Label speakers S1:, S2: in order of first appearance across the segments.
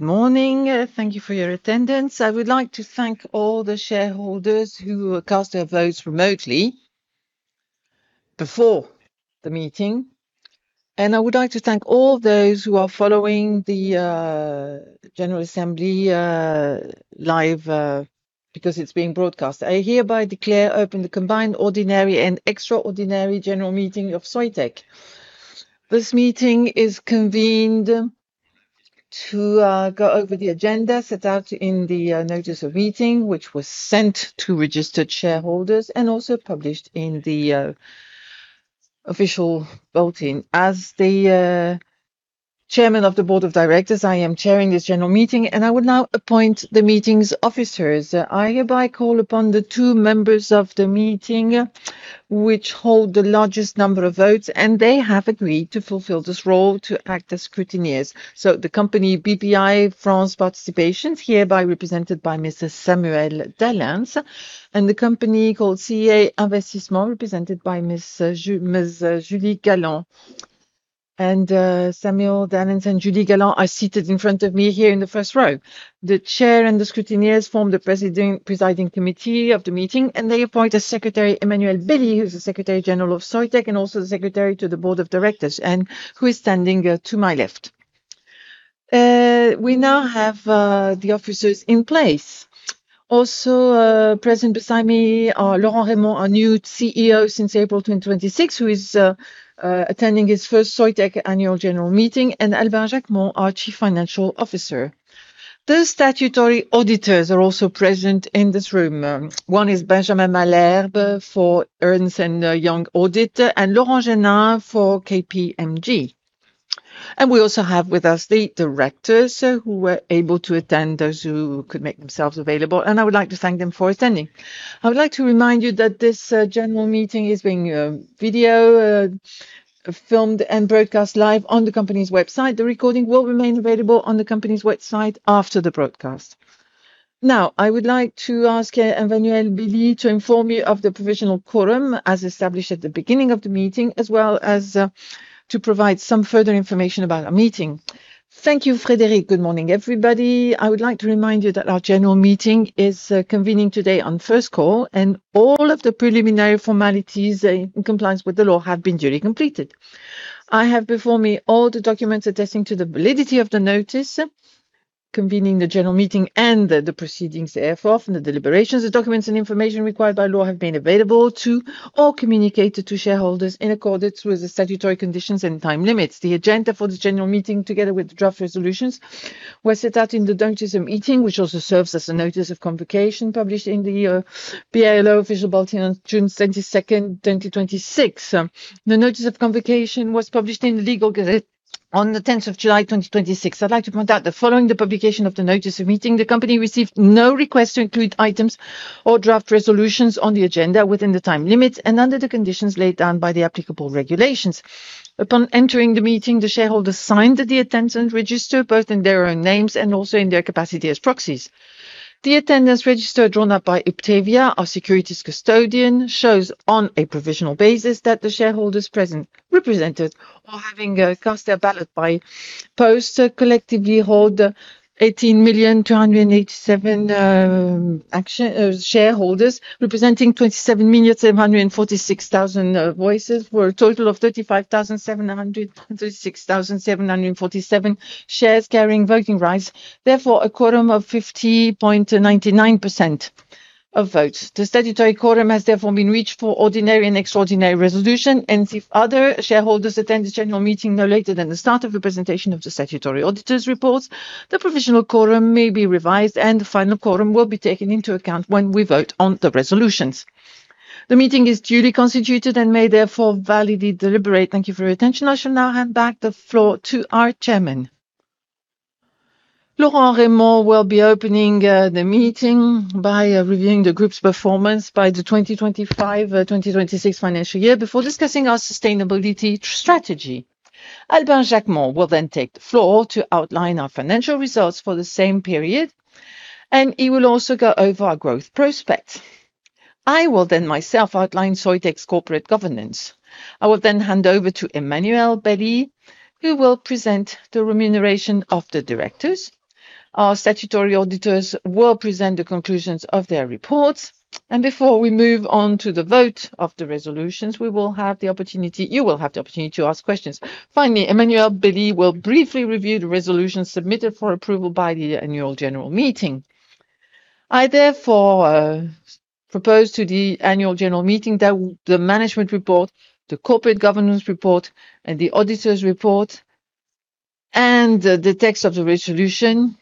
S1: Good morning. Thank you for your attendance. I would like to thank all the shareholders who cast their votes remotely before the meeting, and I would like to thank all those who are following the general assembly live because it's being broadcast. I hereby declare open the combined ordinary and extraordinary general meeting of Soitec. This meeting is convened to go over the agenda set out in the notice of meeting, which was sent to registered shareholders and also published in the official bulletin. As the Chairman of the Board of Directors, I am chairing this general meeting, and I would now appoint the meeting's officers. I hereby call upon the two members of the meeting which hold the largest number of votes, and they have agreed to fulfill this role to act as scrutineers. The company Bpifrance Participations, hereby represented by Mr. Samuel Dalens, and the company called CEA Investissement, represented by Ms. Julie Galland. Samuel Dalens and Julie Galland are seated in front of me here in the first row. The chair and the scrutineers form the presiding committee of the meeting, and they appoint as Secretary Emmanuelle Bely, who's the Secretary General of Soitec and also the Secretary to the Board of Directors, and who is standing to my left. We now have the officers in place. Also present beside me are Laurent Rémont, our new CEO since April 2026, who is attending his first Soitec annual general meeting, and Albin Jacquemont, our Chief Financial Officer. The statutory auditors are also present in this room. One is Benjamin Malherbe for Ernst & Young Audit, and Laurent Genin for KPMG. We also have with us the directors who were able to attend, those who could make themselves available, and I would like to thank them for attending. I would like to remind you that this general meeting is being video filmed and broadcast live on the company's website. The recording will remain available on the company's website after the broadcast. Now, I would like to ask Emmanuelle Bely to inform me of the provisional quorum as established at the beginning of the meeting, as well as to provide some further information about our meeting.
S2: Thank you, Frédéric. Good morning, everybody. I would like to remind you that our general meeting is convening today on first call, and all of the preliminary formalities in compliance with the law have been duly completed. I have before me all the documents attesting to the validity of the notice convening the general meeting and the proceedings therefor from the deliberations of documents and information required by law have been available to or communicated to shareholders in accordance with the statutory conditions and time limits. The agenda for this general meeting, together with the draft resolutions, were set out in the notice of meeting, which also serves as a notice of convocation published in the BALO official bulletin on June 22nd, 2026. The notice of convocation was published in Legal Gazette on the 10th of July, 2026. I'd like to point out that following the publication of the notice of meeting, the company received no request to include items or draft resolutions on the agenda within the time limits and under the conditions laid down by the applicable regulations. Upon entering the meeting, the shareholders signed the attendance register, both in their own names and also in their capacity as proxies. The attendance register drawn up by Uptevia, our securities custodian, shows on a provisional basis that the shareholders present, represented, or having cast their ballot by post, collectively hold 18,000,287 shareholders, representing 27,746,000 votes for a total of 35,736,747 shares carrying voting rights, therefore, a quorum of 50.99% of votes. The statutory quorum has therefore been reached for ordinary and extraordinary resolutions, and if other shareholders attend this general meeting no later than the start of the presentation of the statutory auditors' reports, the provisional quorum may be revised, and the final quorum will be taken into account when we vote on the resolutions. The meeting is duly constituted and may therefore validly deliberate. Thank you for your attention. I shall now hand back the floor to our Chairman.
S1: Laurent Rémont will be opening the meeting by reviewing the group's performance by the 2025-2026 financial year, before discussing our sustainability strategy. Albin Jacquemont will then take the floor to outline our financial results for the same period, and he will also go over our growth prospects. I will then myself outline Soitec's corporate governance. I will then hand over to Emmanuelle Bely, who will present the remuneration of the Directors. Our statutory auditors will present the conclusions of their reports, and before we move on to the vote of the resolutions, you will have the opportunity to ask questions. Finally, Emmanuelle Bely will briefly review the resolutions submitted for approval by the Annual General Meeting. I therefore propose to the Annual General Meeting that the management report, the corporate governance report, the auditors' report, and the text of the resolutions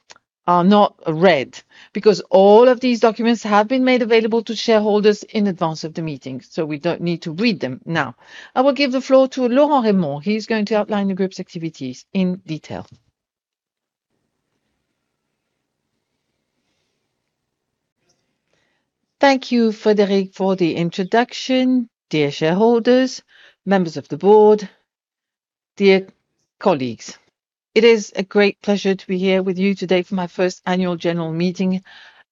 S1: are not read because all of these documents have been made available to shareholders in advance of the meeting, so we don't need to read them. Now, I will give the floor to Laurent Rémont. He's going to outline the group's activities in detail.
S3: Thank you, Frédéric, for the introduction. Dear shareholders, members of the Board, dear colleagues, it is a great pleasure to be here with you today for my first Annual General Meeting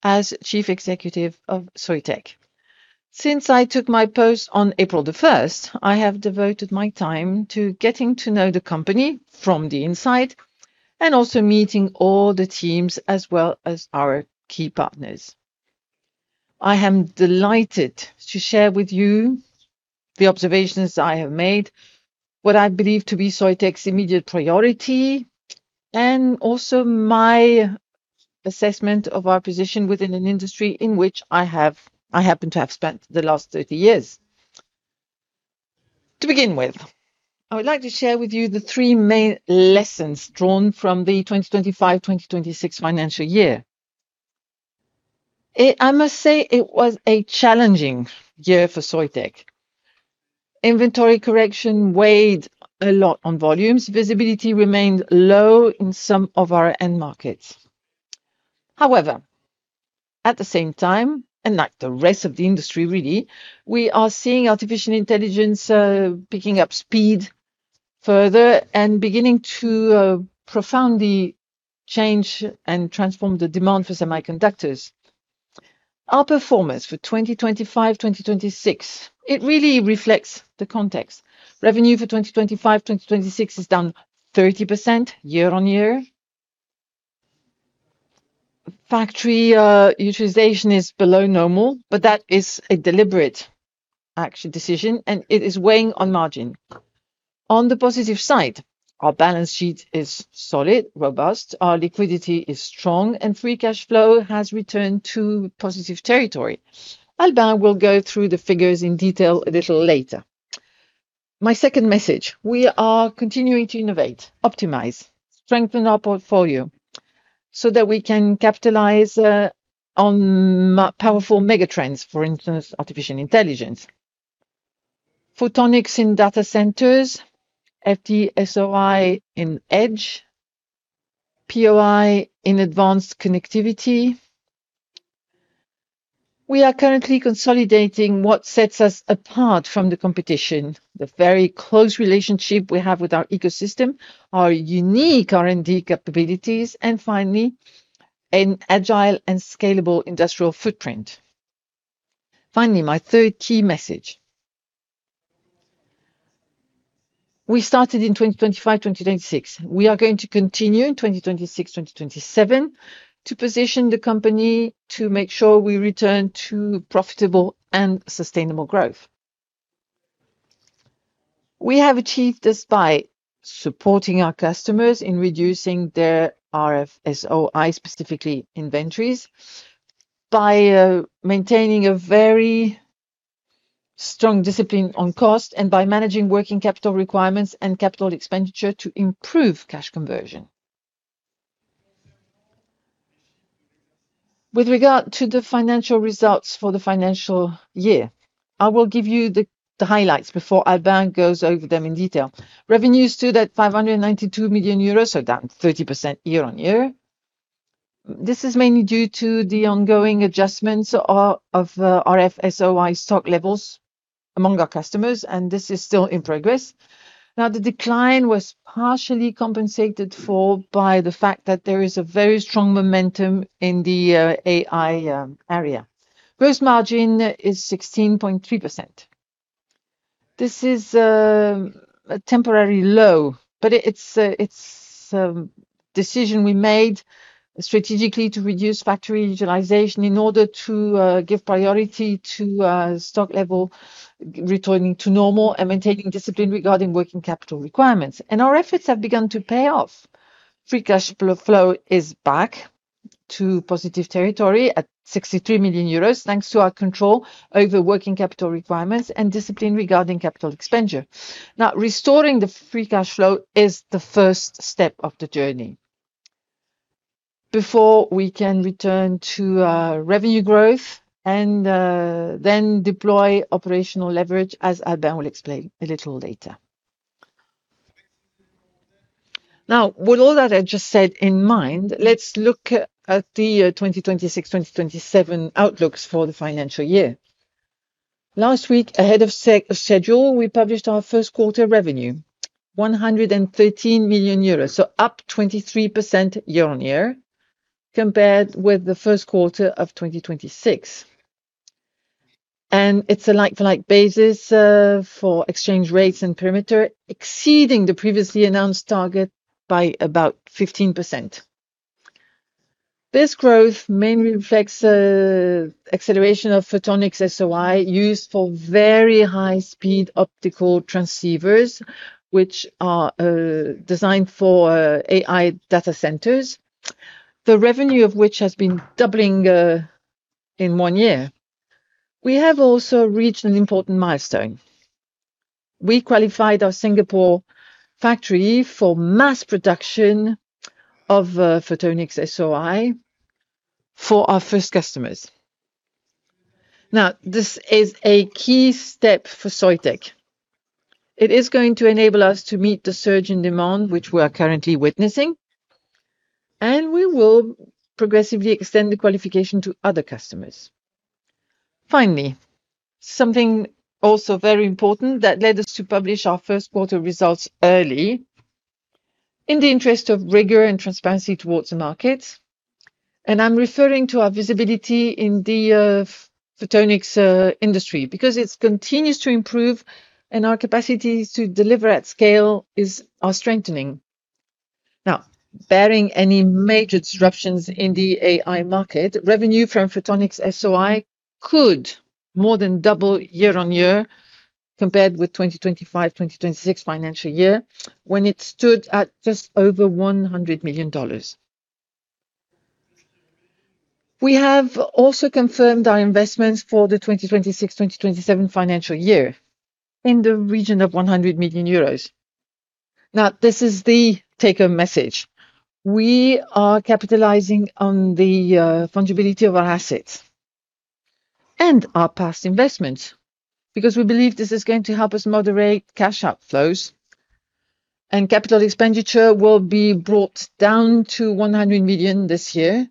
S3: as Chief Executive of Soitec. Since I took my post on April 1st, I have devoted my time to getting to know the company from the inside and also meeting all the teams as well as our key partners. I am delighted to share with you the observations I have made, what I believe to be Soitec's immediate priority, and also my assessment of our position within an industry in which I happen to have spent the last 30 years. To begin with, I would like to share with you the three main lessons drawn from the 2025-2026 financial year. I must say it was a challenging year for Soitec. Inventory correction weighed a lot on volumes. Visibility remained low in some of our end markets. However, at the same time, and like the rest of the industry really, we are seeing artificial intelligence picking up speed further and beginning to profoundly change and transform the demand for semiconductors. Our performance for 2025-2026, it really reflects the context. Revenue for 2025-2026 is down 30% year-on-year. That is a deliberate action decision. It is weighing on margin. On the positive side, our balance sheet is solid, robust, our liquidity is strong. Free cash flow has returned to positive territory. Albin will go through the figures in detail a little later. My second message, we are continuing to innovate, optimize, strengthen our portfolio, so that we can capitalize on powerful megatrends. For instance, artificial intelligence, photonics in data centers, FD-SOI in edge AI, POI in advanced connectivity. We are currently consolidating what sets us apart from the competition, the very close relationship we have with our ecosystem, our unique R&D capabilities. Finally, an agile and scalable industrial footprint. Finally, my third key message. We started in 2025-2026. We are going to continue in 2026-2027 to position the company to make sure we return to profitable and sustainable growth. We have achieved this by supporting our customers in reducing their RF-SOI, specifically inventories, by maintaining a very strong discipline on cost, and by managing working capital requirements and capital expenditure to improve cash conversion. With regard to the financial results for the financial year, I will give you the highlights before Albin goes over them in detail. Revenues stood at 592 million euros, down 30% year-over-year. This is mainly due to the ongoing adjustments of RF-SOI stock levels among our customers. This is still in progress. The decline was partially compensated for by the fact that there is a very strong momentum in the AI area. Gross margin is 16.3%. This is a temporary low. It's a decision we made strategically to reduce factory utilization in order to give priority to stock level returning to normal and maintaining discipline regarding working capital requirements. Our efforts have begun to pay off. Free cash flow is back to positive territory at 63 million euros, thanks to our control over working capital requirements and discipline regarding capital expenditure. Restoring the free cash flow is the first step of the journey. Before we can return to revenue growth. Then deploy operational leverage as Albin will explain a little later. With all that I just said in mind, let's look at the 2026-2027 outlooks for the financial year. Last week, ahead of schedule, we published our first quarter revenue, 113 million euros, up 23% year-on-year compared with the first quarter of 2026. It's a like-for-like basis for exchange rates and perimeter, exceeding the previously announced target by about 15%. This growth mainly reflects acceleration of Photonics-SOI used for very high-speed optical transceivers, which are designed for AI data centers, the revenue of which has been doubling in one year. We have also reached an important milestone. We qualified our Singapore factory for mass production of Photonics-SOI for our first customers. This is a key step for Soitec. It is going to enable us to meet the surge in demand which we are currently witnessing. We will progressively extend the qualification to other customers. Finally, something also very important that led us to publish our first quarter results early in the interest of rigor and transparency towards the market. I'm referring to our visibility in the photonics industry. It continues to improve and our capacity to deliver at scale are strengthening. Barring any major disruptions in the AI market, revenue from Photonics-SOI could more than double year-on-year compared with 2025-2026 financial year, when it stood at just over EUR 100 million. We have also confirmed our investments for the 2026-2027 financial year in the region of 100 million euros. This is the take-home message. We are capitalizing on the fungibility of our assets and our past investments because we believe this is going to help us moderate cash outflows, and capital expenditure will be brought down to 100 million this year.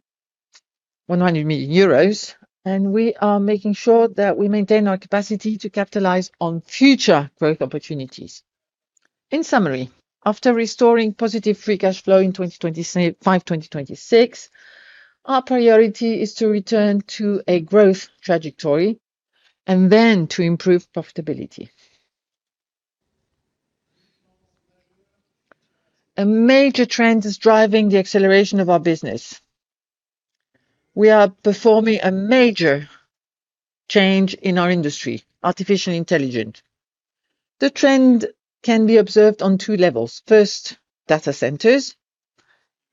S3: We are making sure that we maintain our capacity to capitalize on future growth opportunities. In summary, after restoring positive free cash flow in 2025-2026, our priority is to return to a growth trajectory and then to improve profitability. A major trend is driving the acceleration of our business. We are performing a major change in our industry, artificial intelligence. The trend can be observed on two levels. First, data centers.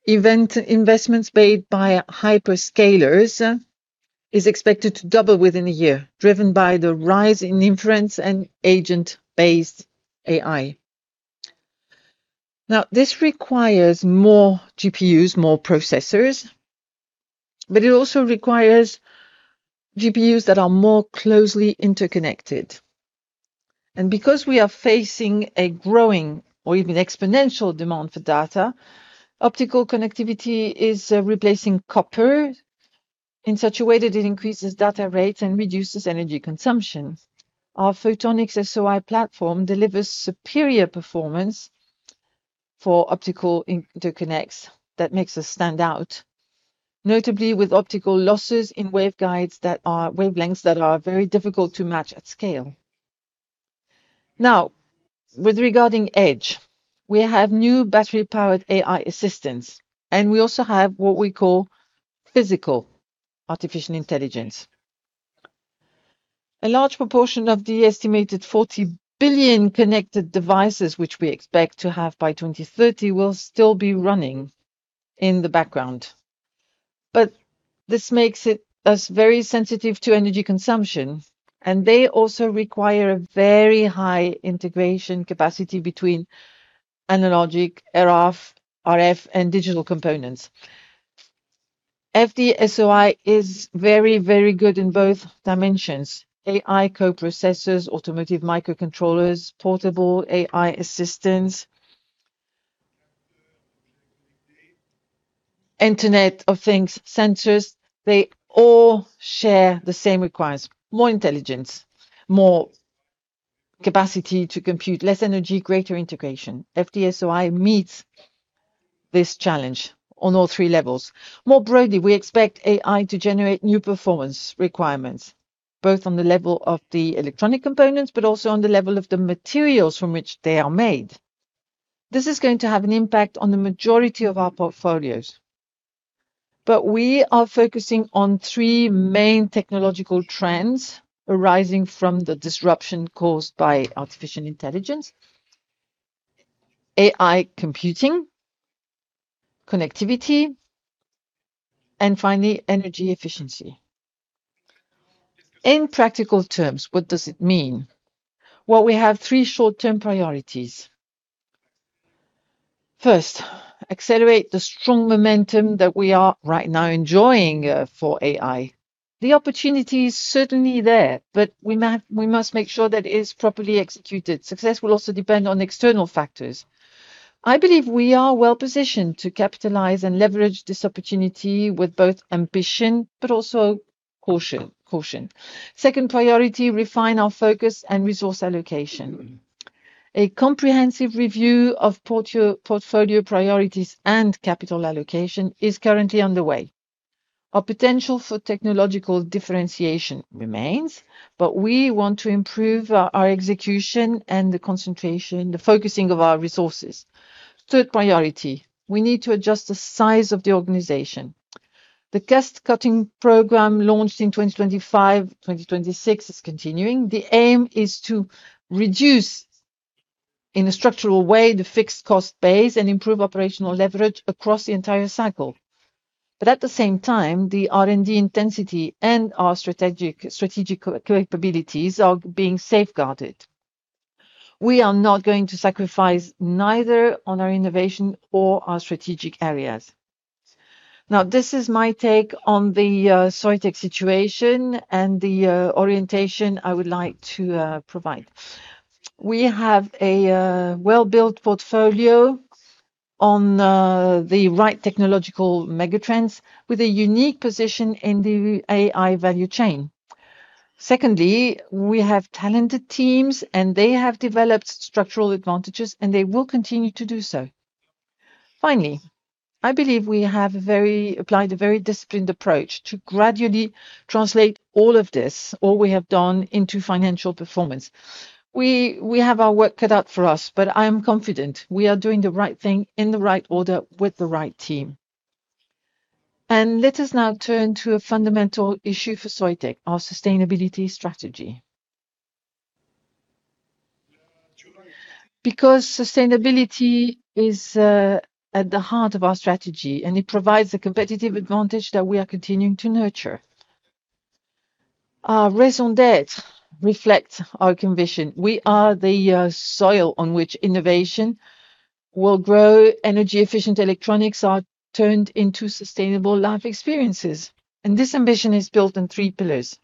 S3: Investments made by hyperscalers is expected to double within a year, driven by the rise in inference and agent-based AI. This requires more GPUs, more processors, but it also requires GPUs that are more closely interconnected. Because we are facing a growing or even exponential demand for data, optical connectivity is replacing copper in such a way that it increases data rates and reduces energy consumption. Our Photonics-SOI platform delivers superior performance for optical interconnects that makes us stand out, notably with optical losses in wavelengths that are very difficult to match at scale. With regarding edge AI, we have new battery-powered AI assistants, and we also have what we call physical artificial intelligence. A large proportion of the estimated 40 billion connected devices which we expect to have by 2030 will still be running in the background. This makes us very sensitive to energy consumption, and they also require a very high integration capacity between analogic, RF, and digital components. FD-SOI is very good in both dimensions. AI co-processors, automotive microcontrollers, portable AI assistants, Internet of Things sensors, they all share the same requirements. More intelligence, more capacity to compute, less energy, greater integration. FD-SOI meets this challenge on all three levels. More broadly, we expect AI to generate new performance requirements, both on the level of the electronic components, but also on the level of the materials from which they are made. This is going to have an impact on the majority of our portfolios. We are focusing on three main technological trends arising from the disruption caused by artificial intelligence: AI computing, connectivity, and finally, energy efficiency. In practical terms, what does it mean? Well, we have three short-term priorities. First, accelerate the strong momentum that we are right now enjoying for AI. The opportunity is certainly there, but we must make sure that it is properly executed. Success will also depend on external factors. I believe we are well-positioned to capitalize and leverage this opportunity with both ambition but also caution. Second priority, refine our focus and resource allocation. A comprehensive review of portfolio priorities and capital allocation is currently underway. Our potential for technological differentiation remains, but we want to improve our execution and the concentration, the focusing of our resources. Third priority, we need to adjust the size of the organization. The cost-cutting program launched in 2025-2026 is continuing. The aim is to reduce, in a structural way, the fixed cost base and improve operational leverage across the entire cycle. But at the same time, the R&D intensity and our strategic capabilities are being safeguarded. We are not going to sacrifice neither on our innovation or our strategic areas. This is my take on the Soitec situation and the orientation I would like to provide. We have a well-built portfolio on the right technological megatrends with a unique position in the AI value chain. Secondly, we have talented teams, and they have developed structural advantages, and they will continue to do so. Finally I believe we have applied a very disciplined approach to gradually translate all of this, all we have done, into financial performance. We have our work cut out for us, but I am confident we are doing the right thing, in the right order, with the right team. Let us now turn to a fundamental issue for Soitec, our sustainability strategy. Because sustainability is at the heart of our strategy, and it provides a competitive advantage that we are continuing to nurture. Our raison d'être reflects our conviction. We are the soil on which innovation will grow energy-efficient electronics are turned into sustainable life experiences. This ambition is built on three pillars: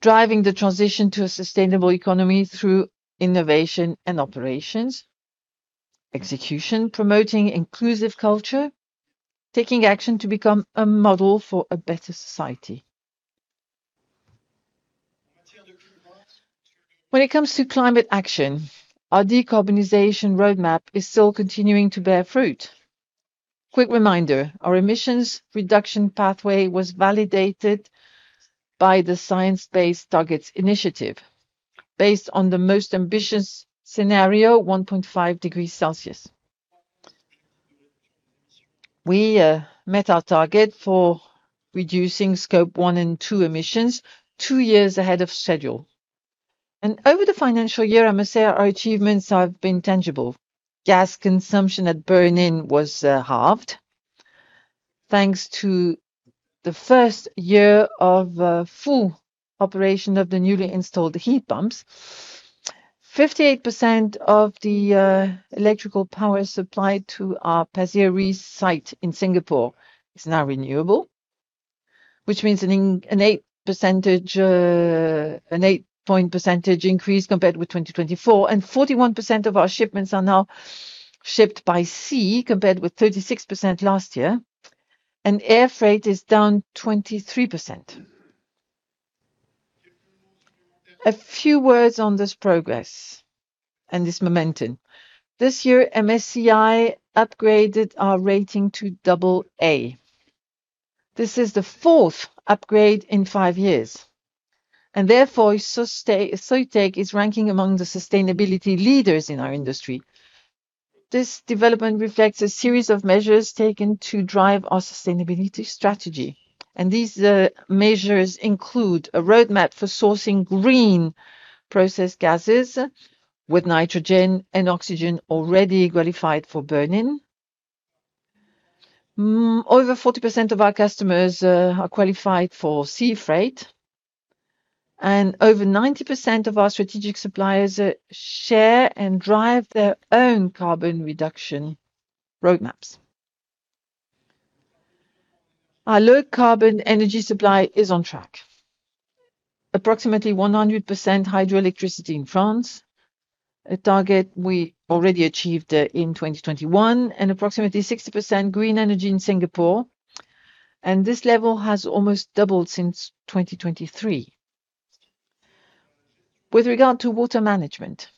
S3: driving the transition to a sustainable economy through innovation and operations, execution, promoting inclusive culture, taking action to become a model for a better society. When it comes to climate action, our decarbonization roadmap is still continuing to bear fruit. Quick reminder, our emissions reduction pathway was validated by the Science Based Targets initiative, based on the most ambitious scenario, 1.5 degrees Celsius. We met our target for reducing Scope 1 and 2 emissions two years ahead of schedule. Over the financial year, I must say, our achievements have been tangible. Gas consumption at Bernin was halved. Thanks to the first year of full operation of the newly installed heat pumps, 58% of the electrical power supplied to our Pasir Ris site in Singapore is now renewable, which means an 8 percentage point increase compared with 2024, and 41% of our shipments are now shipped by sea, compared with 36% last year. Air freight is down 23%. A few words on this progress and this momentum. This year, MSCI upgraded our rating to AA. This is the fourth upgrade in five years, and therefore, Soitec is ranking among the sustainability leaders in our industry. This development reflects a series of measures taken to drive our sustainability strategy, and these measures include a roadmap for sourcing green process gases with nitrogen and oxygen already qualified for Bernin. Over 40% of our customers are qualified for sea freight, and over 90% of our strategic suppliers share and drive their own carbon reduction roadmaps. Our low-carbon energy supply is on track. Approximately 100% hydroelectricity in France, a target we already achieved in 2021, and approximately 60% green energy in Singapore, and this level has almost doubled since 2023. With regard to water management,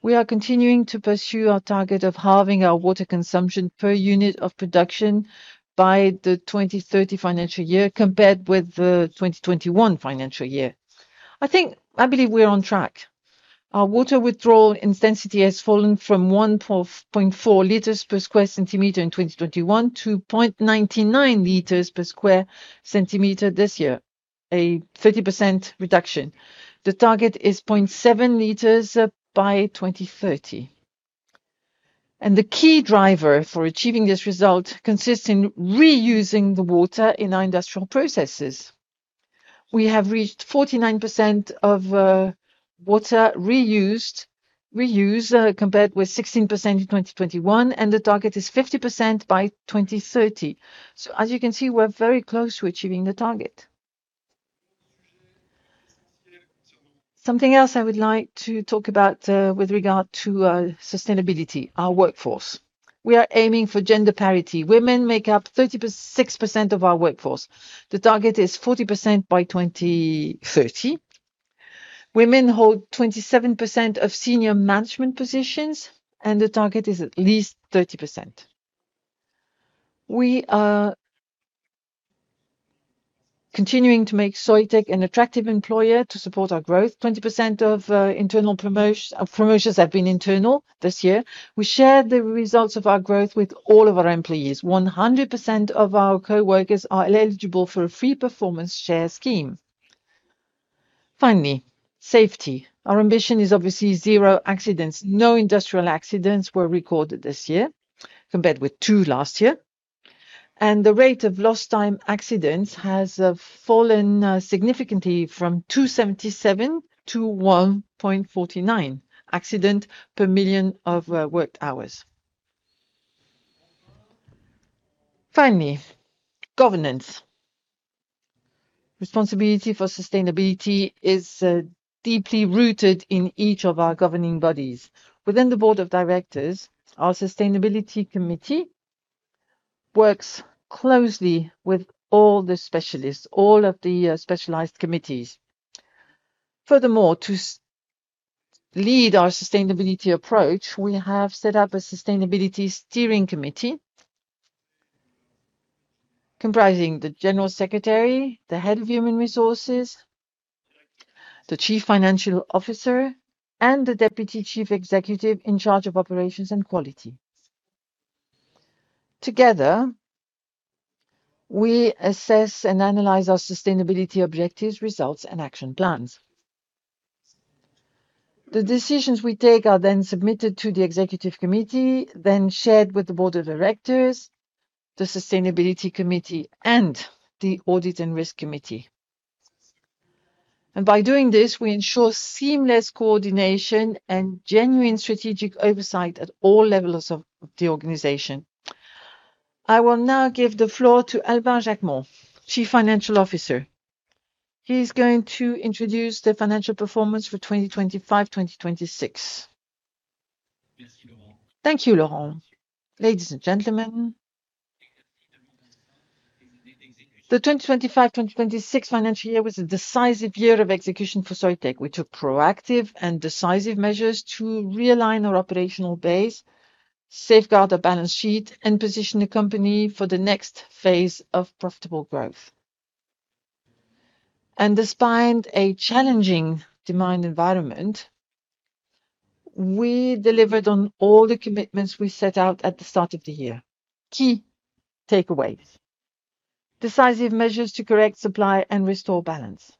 S3: we are continuing to pursue our target of halving our water consumption per unit of production by the 2030 financial year compared with the 2021 financial year. I believe we are on track. Our water withdrawal intensity has fallen from 1.4 L per square centimeter in 2021 to 0.99 L per square centimeter this year, a 30% reduction. The target is 0.7 L by 2030. The key driver for achieving this result consists in reusing the water in our industrial processes. We have reached 49% of water reused compared with 16% in 2021, and the target is 50% by 2030. As you can see, we're very close to achieving the target. Something else I would like to talk about with regard to sustainability, our workforce. We are aiming for gender parity. Women make up 36% of our workforce. The target is 40% by 2030. Women hold 27% of senior management positions, and the target is at least 30%. We are continuing to make Soitec an attractive employer to support our growth. 20% of promotions have been internal this year. We share the results of our growth with all of our employees. 100% of our coworkers are eligible for a free performance share scheme. Finally, safety. Our ambition is obviously zero accidents. No industrial accidents were recorded this year compared with two last year. The rate of lost time accidents has fallen significantly from 277 to 1.49 accident per million of worked hours. Finally, governance. Responsibility for sustainability is deeply rooted in each of our governing bodies. Within the Board of Directors, our Sustainability Committee works closely with all the specialists, all of the specialized committees. To lead our sustainability approach, we have set up a Sustainability Steering Committee comprising the General Secretary, the Head of Human Resources, the Chief Financial Officer, and the Deputy Chief Executive in charge of operations and quality. Together, we assess and analyze our sustainability objectives, results, and action plans. The decisions we take are then submitted to the Executive Committee, then shared with the Board of Directors, the Sustainability Committee, and the Audit and Risk Committee. By doing this, we ensure seamless coordination and genuine strategic oversight at all levels of the organization. I will now give the floor to Albin Jacquemont, Chief Financial Officer. He's going to introduce the financial performance for 2025-2026.
S4: Thank you, Laurent. Ladies and gentlemen, the 2025-2026 financial year was a decisive year of execution for Soitec. We took proactive and decisive measures to realign our operational base, safeguard our balance sheet, and position the company for the next phase of profitable growth. Despite a challenging demand environment, we delivered on all the commitments we set out at the start of the year. Key takeaways. Decisive measures to correct supply and restore balance.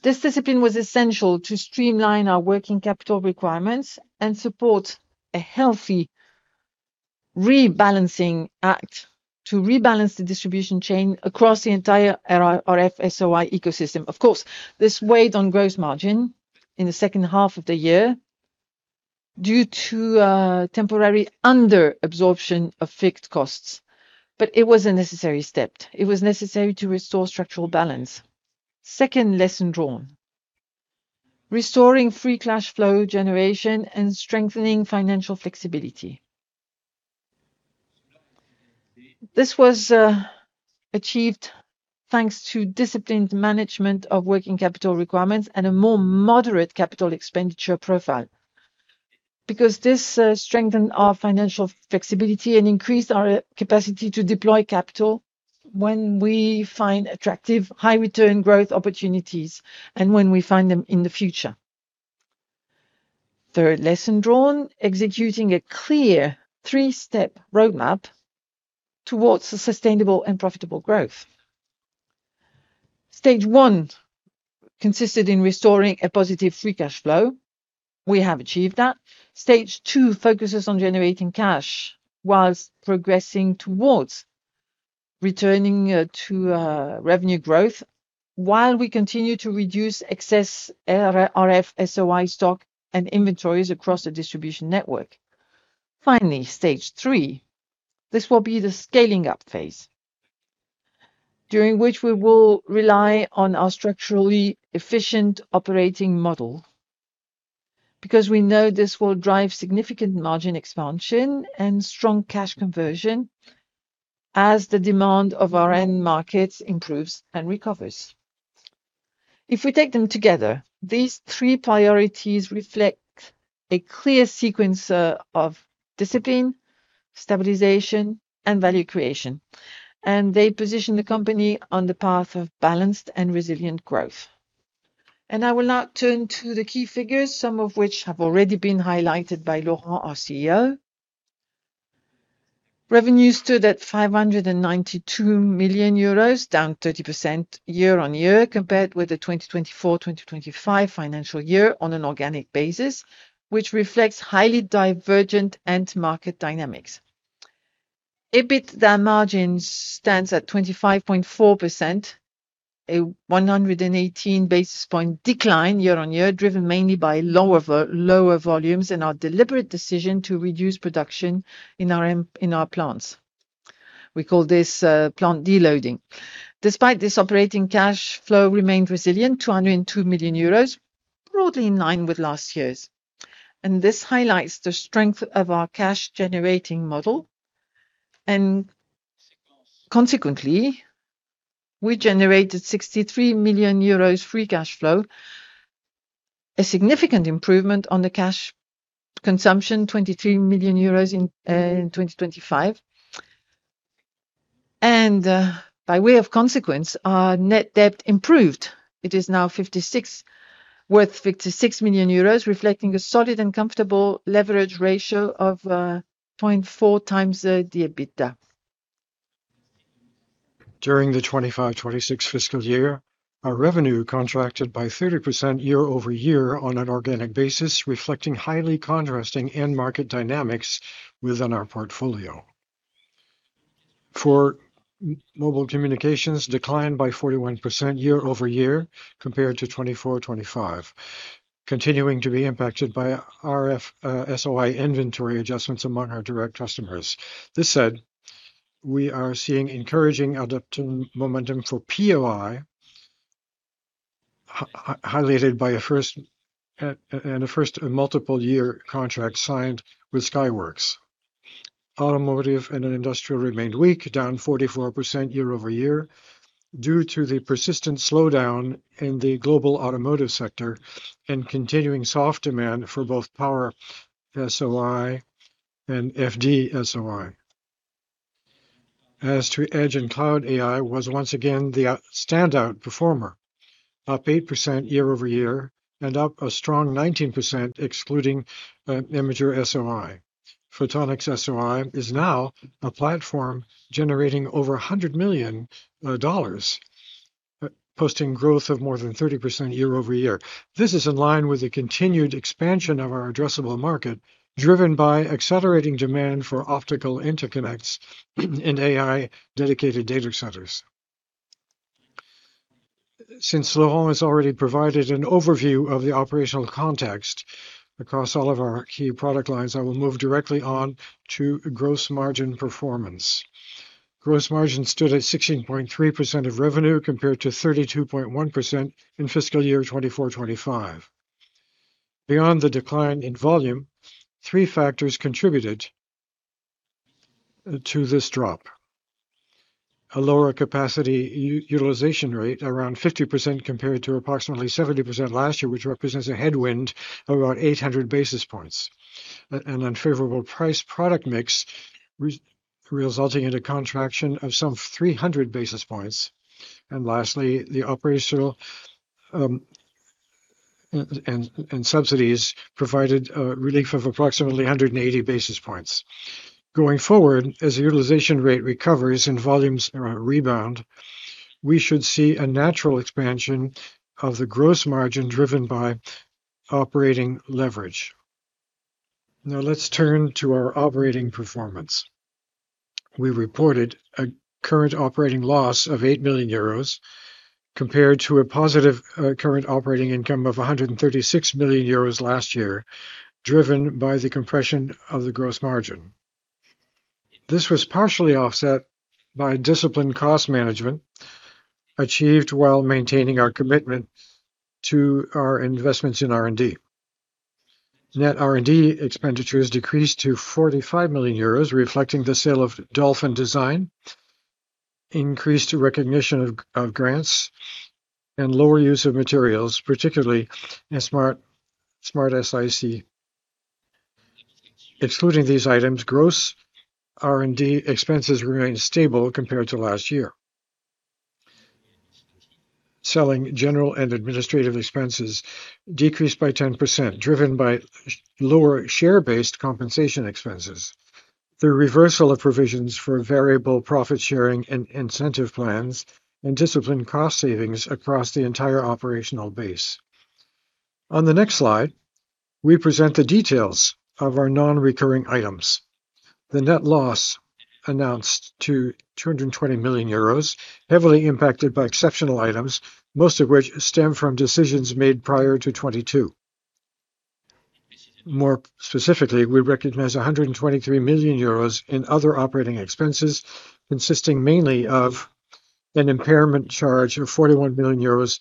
S4: This discipline was essential to streamline our working capital requirements and support a healthy rebalancing act to rebalance the distribution chain across the entire RF-SOI ecosystem. Of course, this weighed on gross margin in the second half of the year due to temporary under-absorption of fixed costs. But it was a necessary step. It was necessary to restore structural balance. Second lesson drawn, restoring free cash flow generation and strengthening financial flexibility. This was achieved thanks to disciplined management of working capital requirements and a more moderate capital expenditure profile. This strengthened our financial flexibility and increased our capacity to deploy capital when we find attractive, high-return growth opportunities and when we find them in the future. Third lesson drawn, executing a clear three-step roadmap towards a sustainable and profitable growth. Stage one consisted in restoring a positive free cash flow. We have achieved that. Stage two focuses on generating cash whilst progressing towards returning to revenue growth while we continue to reduce excess RF-SOI stock and inventories across the distribution network. Finally, Stage three. This will be the scaling up phase, during which we will rely on our structurally efficient operating model because we know this will drive significant margin expansion and strong cash conversion as the demand of our end markets improves and recovers. If we take them together, these three priorities reflect a clear sequence of discipline, stabilization, and value creation, they position the company on the path of balanced and resilient growth. I will now turn to the key figures, some of which have already been highlighted by Laurent, our CEO. Revenue stood at 592 million euros, down 30% year-on-year compared with the 2024-2025 financial year on an organic basis, which reflects highly divergent end market dynamics. EBITDA margin stands at 25.4%, a 118 basis point decline year-on-year, driven mainly by lower volumes and our deliberate decision to reduce production in our plants. We call this plant deloading. Despite this, operating cash flow remained resilient, 202 million euros, broadly in line with last year's. This highlights the strength of our cash-generating model. Consequently, we generated 63 million euros free cash flow, a significant improvement on the cash consumption, 23 million euros in 2025. By way of consequence, our net debt improved. It is now worth 56 million euros, reflecting a solid and comfortable leverage ratio of 0.4x the EBITDA. During the FY 2025-2026, our revenue contracted by 30% year-over-year on an organic basis, reflecting highly contrasting end market dynamics within our portfolio. For mobile communications, decline by 41% year-over-year compared to 2024-2025, continuing to be impacted by RF-SOI inventory adjustments among our direct customers. This said, we are seeing encouraging adoption momentum for POI highlighted by a first multiple-year contract signed with Skyworks. Automotive and industrial remained weak, down 44% year-over-year due to the persistent slowdown in the global automotive sector and continuing soft demand for both Power-SOI and FD-SOI. As to edge and cloud, AI was once again the standout performer, up 8% year-over-year and up a strong 19% excluding Imager-SOI. Photonics-SOI is now a platform generating over $100 million, posting growth of more than 30% year-over-year. This is in line with the continued expansion of our addressable market, driven by accelerating demand for optical interconnects in AI dedicated data centers. Since Laurent has already provided an overview of the operational context across all of our key product lines, I will move directly on to gross margin performance. Gross margin stood at 16.3% of revenue, compared to 32.1% in fiscal year 2024/2025. Beyond the decline in volume, three factors contributed to this drop. A lower capacity utilization rate, around 50%, compared to approximately 70% last year, which represents a headwind of about 800 basis points. An unfavorable price product mix resulting in a contraction of some 300 basis points. Lastly, the operational and subsidies provided relief of approximately 180 basis points. Going forward, as the utilization rate recovers and volumes rebound, we should see a natural expansion of the gross margin driven by operating leverage. Now let's turn to our operating performance. We reported a current operating loss of 8 million euros, compared to a positive current operating income of 136 million euros last year, driven by the compression of the gross margin. This was partially offset by disciplined cost management, achieved while maintaining our commitment to our investments in R&D. Net R&D expenditures decreased to 45 million euros, reflecting the sale of Dolphin Design, increased recognition of grants, and lower use of materials, particularly in SmartSiC. Excluding these items, gross R&D expenses remained stable compared to last year. Selling, general, and administrative expenses decreased by 10%, driven by lower share-based compensation expenses. The reversal of provisions for variable profit sharing and incentive plans, and disciplined cost savings across the entire operational base. On the next slide, we present the details of our non-recurring items. The net loss announced to 220 million euros, heavily impacted by exceptional items, most of which stem from decisions made prior to 2022. More specifically, we recognize 123 million euros in other operating expenses, consisting mainly of an impairment charge of 41 million euros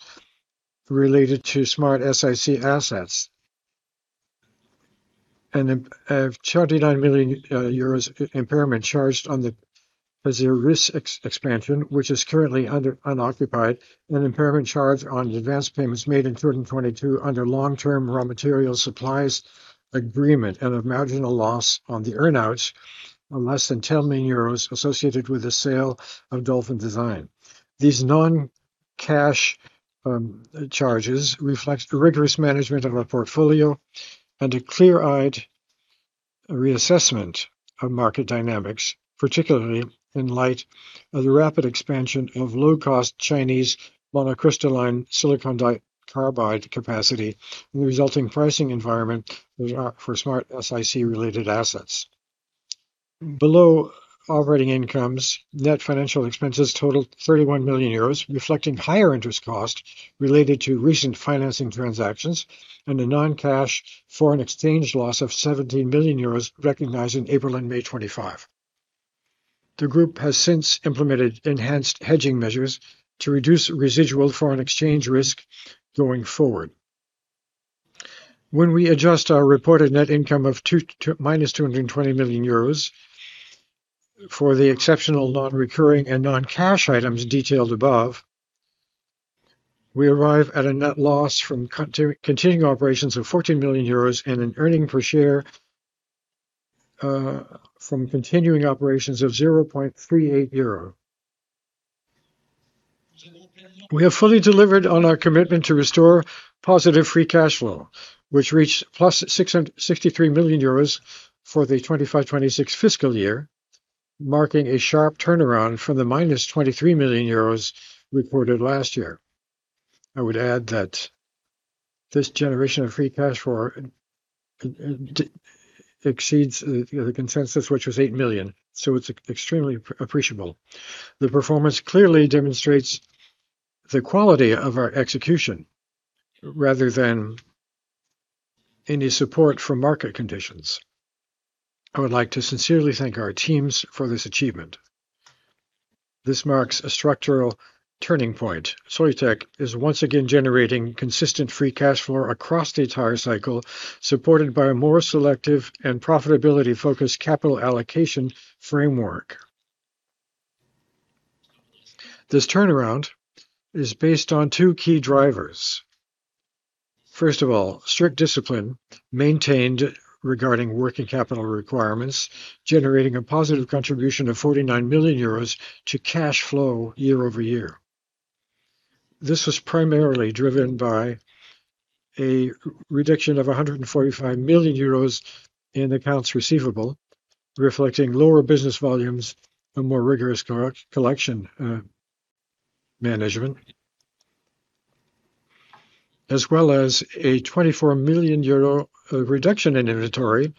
S4: related to SmartSiC assets. And a EUR 39 million impairment charged on the Pasir Ris expansion, which is currently unoccupied, and an impairment charge on advance payments made in 2022 under long-term raw material supplies agreement, and a marginal loss on the earn-out of less than 10 million euros associated with the sale of Dolphin Design. These non-cash charges reflect rigorous management of our portfolio and a clear-eyed reassessment of market dynamics, particularly in light of the rapid expansion of low-cost Chinese monocrystalline silicon carbide capacity and the resulting pricing environment for SmartSiC-related assets. Below operating incomes, net financial expenses totaled 31 million euros, reflecting higher interest costs related to recent financing transactions and a non-cash foreign exchange loss of 17 million euros recognized in April and May 2025. The group has since implemented enhanced hedging measures to reduce residual foreign exchange risk going forward. When we adjust our reported net income of -220 million euros for the exceptional non-recurring and non-cash items detailed above, we arrive at a net loss from continuing operations of 14 million euros and an earnings per share from continuing operations of 0.38 euro. We have fully delivered on our commitment to restore positive free cash flow, which reached 63 million euros for the 2025/2026 fiscal year, marking a sharp turnaround from the -23 million euros reported last year. I would add that this generation of free cash flow exceeds the consensus, which was 8 million, so it is extremely appreciable. The performance clearly demonstrates the quality of our execution rather than any support from market conditions. I would like to sincerely thank our teams for this achievement. This marks a structural turning point. Soitec is once again generating consistent free cash flow across the entire cycle, supported by a more selective and profitability-focused capital allocation framework. This turnaround is based on two key drivers. First of all, strict discipline maintained regarding working capital requirements, generating a positive contribution of 49 million euros to cash flow year-over-year. This was primarily driven by a reduction of 145 million euros in accounts receivable, reflecting lower business volumes and more rigorous collection management, as well as a 24 million euro reduction in inventory,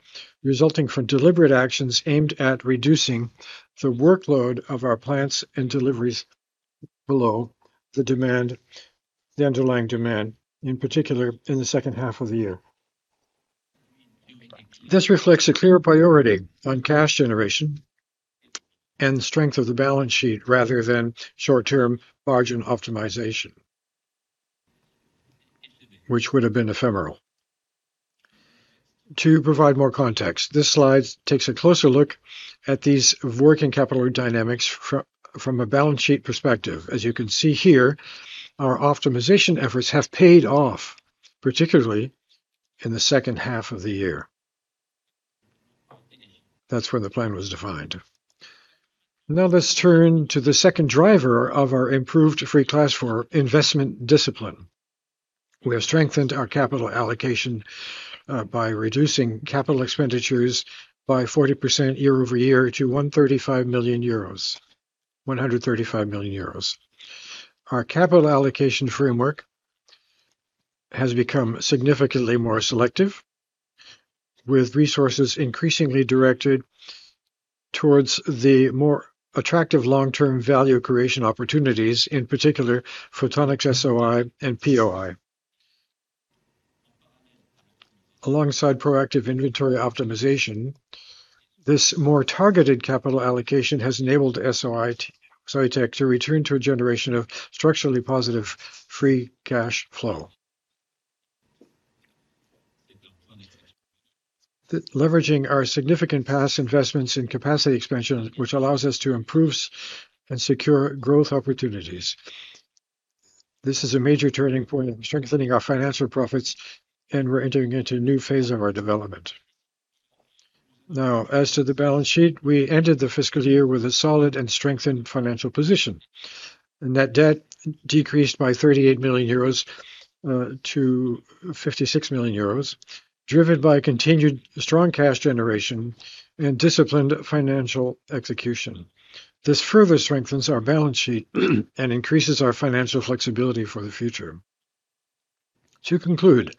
S4: resulting from deliberate actions aimed at reducing the workload of our plants and deliveries below the underlying demand, in particular in the second half of the year. This reflects a clear priority on cash generation and the strength of the balance sheet rather than short-term margin optimization, which would have been ephemeral. To provide more context, this slide takes a closer look at these working capital dynamics from a balance sheet perspective. As you can see here, our optimization efforts have paid off, particularly in the second half of the year. That is when the plan was defined. Now let us turn to the second driver of our improved free cash flow, investment discipline. We have strengthened our capital allocation by reducing capital expenditures by 40% year-over-year to 135 million euros. Our capital allocation framework has become significantly more selective, with resources increasingly directed towards the more attractive long-term value creation opportunities, in particular Photonics-SOI and POI. Alongside proactive inventory optimization, this more targeted capital allocation has enabled Soitec to return to a generation of structurally positive free cash flow. Leveraging our significant past investments in capacity expansion, which allows us to improve and secure growth opportunities. This is a major turning point in strengthening our financial profits, and we are entering into a new phase of our development. Now, as to the balance sheet, we ended the fiscal year with a solid and strengthened financial position. Net debt decreased by 38 million euros to 56 million euros, driven by continued strong cash generation and disciplined financial execution. This further strengthens our balance sheet and increases our financial flexibility for the future. To conclude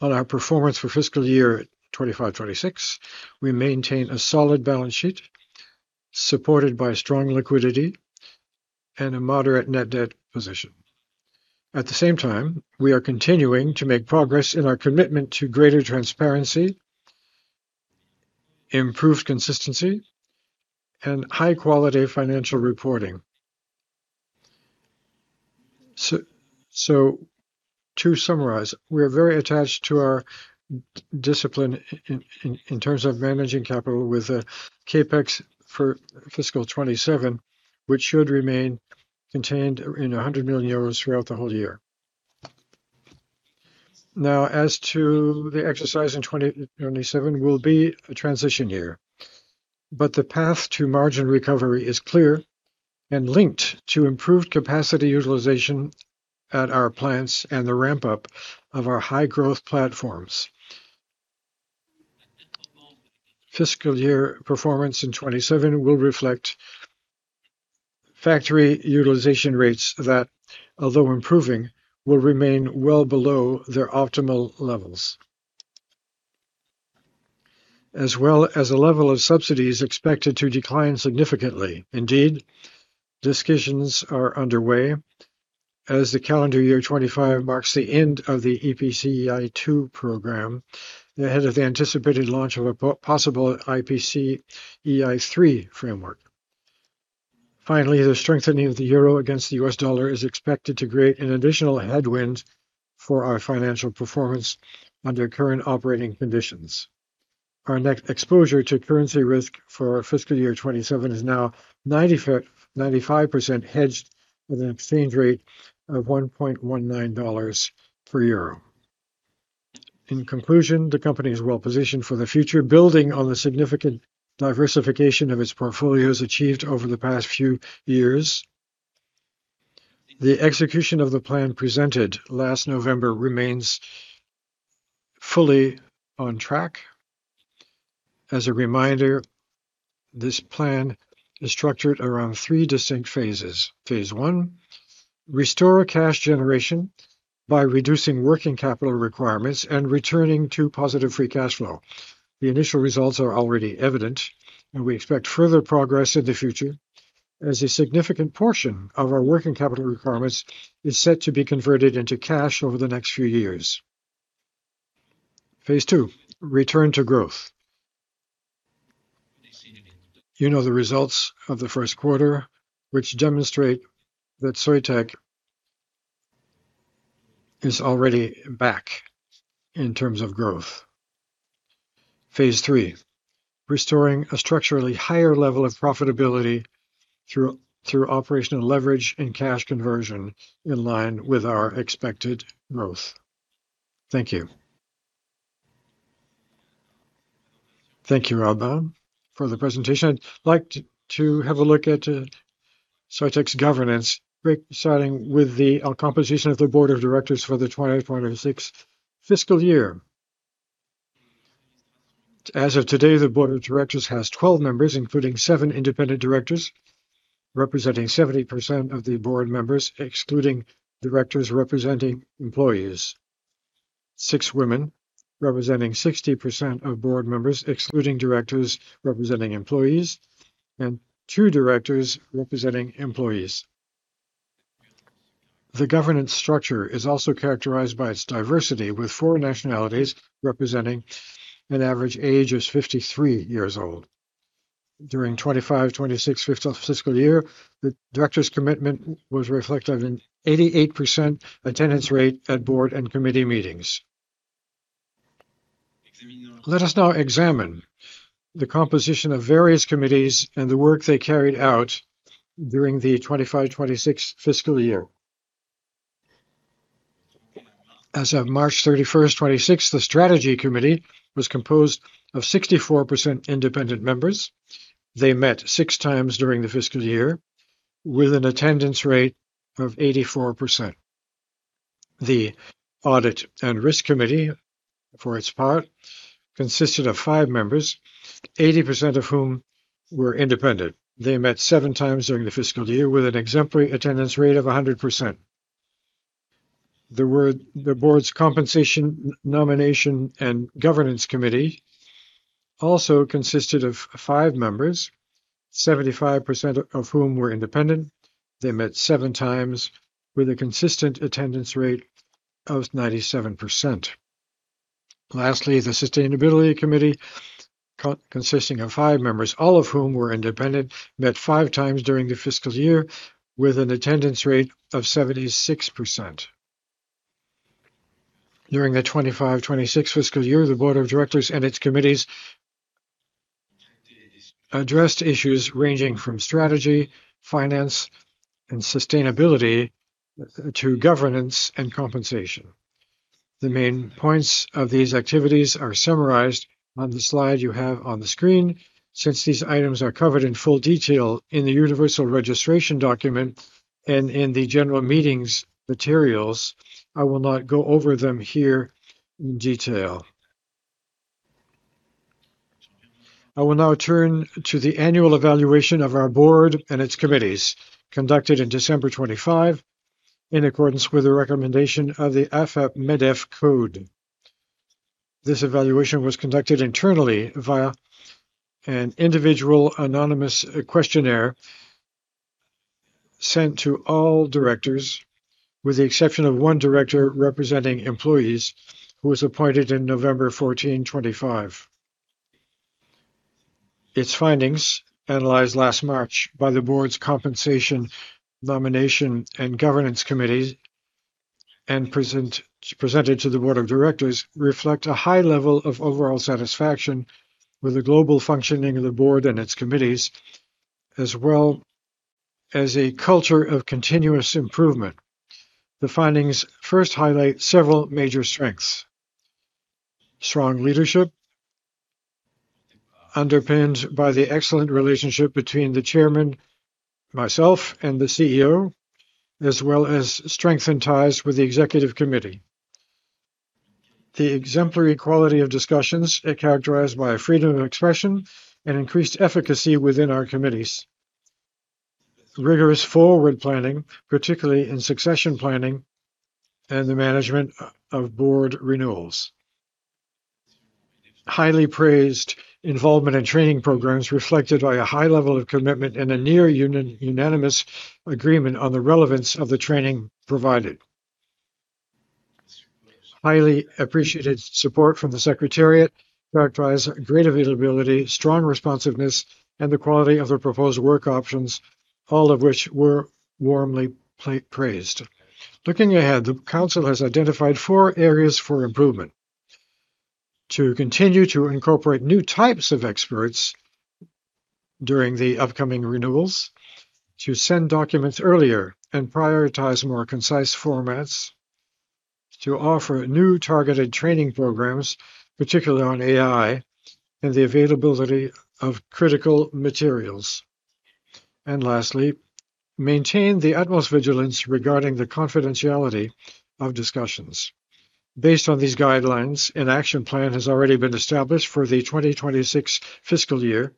S4: on our performance for fiscal year 2025-2026, we maintain a solid balance sheet supported by strong liquidity and a moderate net debt position. At the same time, we are continuing to make progress in our commitment to greater transparency, improved consistency, and high-quality financial reporting. To summarize, we are very attached to our discipline in terms of managing capital with a CapEx for fiscal year 2027, which should remain contained in 100 million euros throughout the whole year. As to the exercise in 2027 will be a transition year, the path to margin recovery is clear and linked to improved capacity utilization at our plants and the ramp-up of our high-growth platforms. Fiscal year performance in 2027 will reflect factory utilization rates that, although improving, will remain well below their optimal levels, as well as a level of subsidies expected to decline significantly. Indeed, discussions are underway as the calendar year 2025 marks the end of the IPCEI 2 program ahead of the anticipated launch of a possible IPCEI 3 framework. The strengthening of the euro against the U.S. dollar is expected to create an additional headwind for our financial performance under current operating conditions. Our net exposure to currency risk for fiscal year 2027 is now 95% hedged with an exchange rate of $1.19 per euro. The company is well-positioned for the future, building on the significant diversification of its portfolios achieved over the past few years. The execution of the plan presented last November remains fully on track. As a reminder, this plan is structured around three distinct phases. Phase one, restore cash generation by reducing working capital requirements and returning to positive free cash flow. The initial results are already evident, and we expect further progress in the future as a significant portion of our working capital requirements is set to be converted into cash over the next few years. Phase two, return to growth. You know the results of the first quarter, which demonstrate that Soitec is already back in terms of growth. Phase three, restoring a structurally higher level of profitability through operational leverage and cash conversion in line with our expected growth. Thank you.
S1: Thank you, Albin, for the presentation. I'd like to have a look at Soitec's governance, starting with the composition of the Board of directors for the 2026 fiscal year. As of today, the Board of Directors has 12 members, including seven independent directors, representing 70% of the Board members, excluding directors representing employees. Six women, representing 60% of board members, excluding directors representing employees, and two directors representing employees. The governance structure is also characterized by its diversity, with four nationalities representing an average age of 53 years old. During 2025-2026 fiscal year, the directors' commitment was reflected in 88% attendance rate at board and committee meetings. Let us now examine the composition of various committees and the work they carried out during the 2025-2026 fiscal year. As of March 31st, 2026, the Strategic Committee was composed of 64% independent members. They met six times during the fiscal year with an attendance rate of 84%. The Audit and Risk Committee, for its part, consisted of five members, 80% of whom were independent. They met seven times during the fiscal year with an exemplary attendance rate of 100%. The Board's Compensation, Nominations and Governance Committee also consisted of five members, 75% of whom were independent. They met seven times with a consistent attendance rate of 97%. Lastly, the Sustainability Committee, consisting of five members, all of whom were independent, met five times during the fiscal year with an attendance rate of 76%. During the 2025-2026 fiscal year, the Board of Directors and its committees addressed issues ranging from strategy, finance, and sustainability to governance and compensation. The main points of these activities are summarized on the slide you have on the screen. Since these items are covered in full detail in the universal registration document and in the general meetings materials, I will not go over them here in detail. I will now turn to the annual evaluation of our Board and its committees, conducted in December 2025, in accordance with the recommendation of the AFEP-MEDEF Code. This evaluation was conducted internally via an individual anonymous questionnaire sent to all directors, with the exception of one director representing employees who was appointed in November 14, 2025. Its findings, analyzed last March by the Board's Compensation, Nominations and Governance Committee and presented to the Board of Directors, reflect a high level of overall satisfaction with the global functioning of the Board and its committees, as well as a culture of continuous improvement. The findings first highlight several major strengths. Strong leadership, underpinned by the excellent relationship between the Chairman, myself, and the CEO, as well as strengthened ties with the Executive Committee. The exemplary quality of discussions characterized by freedom of expression and increased efficacy within our committees. Rigorous forward planning, particularly in succession planning and the management of Board renewals. Highly praised involvement in training programs reflected by a high level of commitment and a near-unanimous agreement on the relevance of the training provided. Highly appreciated support from the secretariat, characterized great availability, strong responsiveness, and the quality of the proposed work options, all of which were warmly praised. Looking ahead, the Board has identified four areas for improvement. To continue to incorporate new types of experts during the upcoming renewals, to send documents earlier and prioritize more concise formats, to offer new targeted training programs, particularly on AI, and the availability of critical materials. Lastly, maintain the utmost vigilance regarding the confidentiality of discussions. Based on these guidelines, an action plan has already been established for the 2026 fiscal year,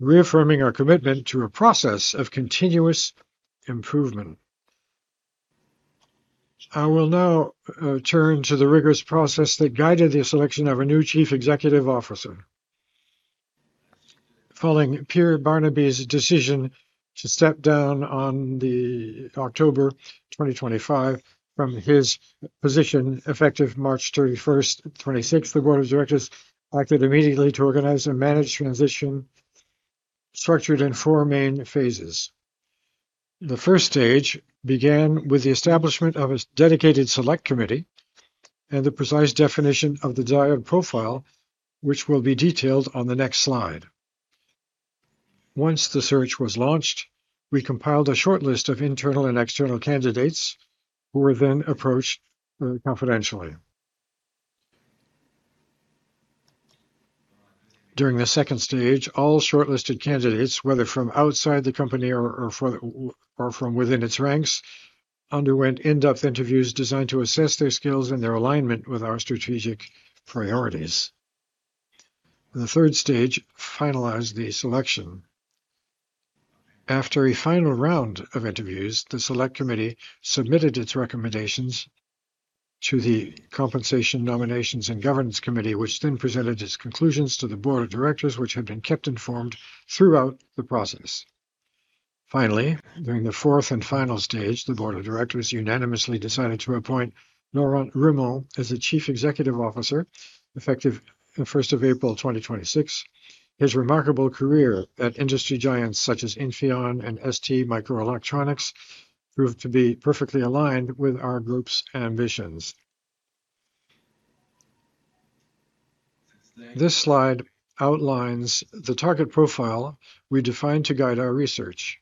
S1: reaffirming our commitment to a process of continuous improvement. I will now turn to the rigorous process that guided the selection of a new Chief Executive Officer. Following Pierre Barnabé's decision to step down on October 2025 from his position effective March 31st, 2026, the Board of Directors acted immediately to organize a managed transition structured in four main phases. The first stage began with the establishment of a dedicated select committee and the precise definition of the desired profile, which will be detailed on the next slide. Once the search was launched, we compiled a short list of internal and external candidates who were then approached confidentially. During the seconnd stage, all shortlisted candidates, whether from outside the company or from within its ranks, underwent in-depth interviews designed to assess their skills and their alignment with our strategic priorities. The third stage finalized the selection. After a final round of interviews, the select committee submitted its recommendations to the Compensation, Nominations and Governance Committee, which then presented its conclusions to the Board of Directors, which had been kept informed throughout the process. Finally, during the fourth and final stage, the Board of directors unanimously decided to appoint Laurent Rémont as the Chief Executive Officer, effective 1st of April, 2026. His remarkable career at industry giants such as Infineon and STMicroelectronics proved to be perfectly aligned with our group's ambitions. This slide outlines the target profile we defined to guide our research.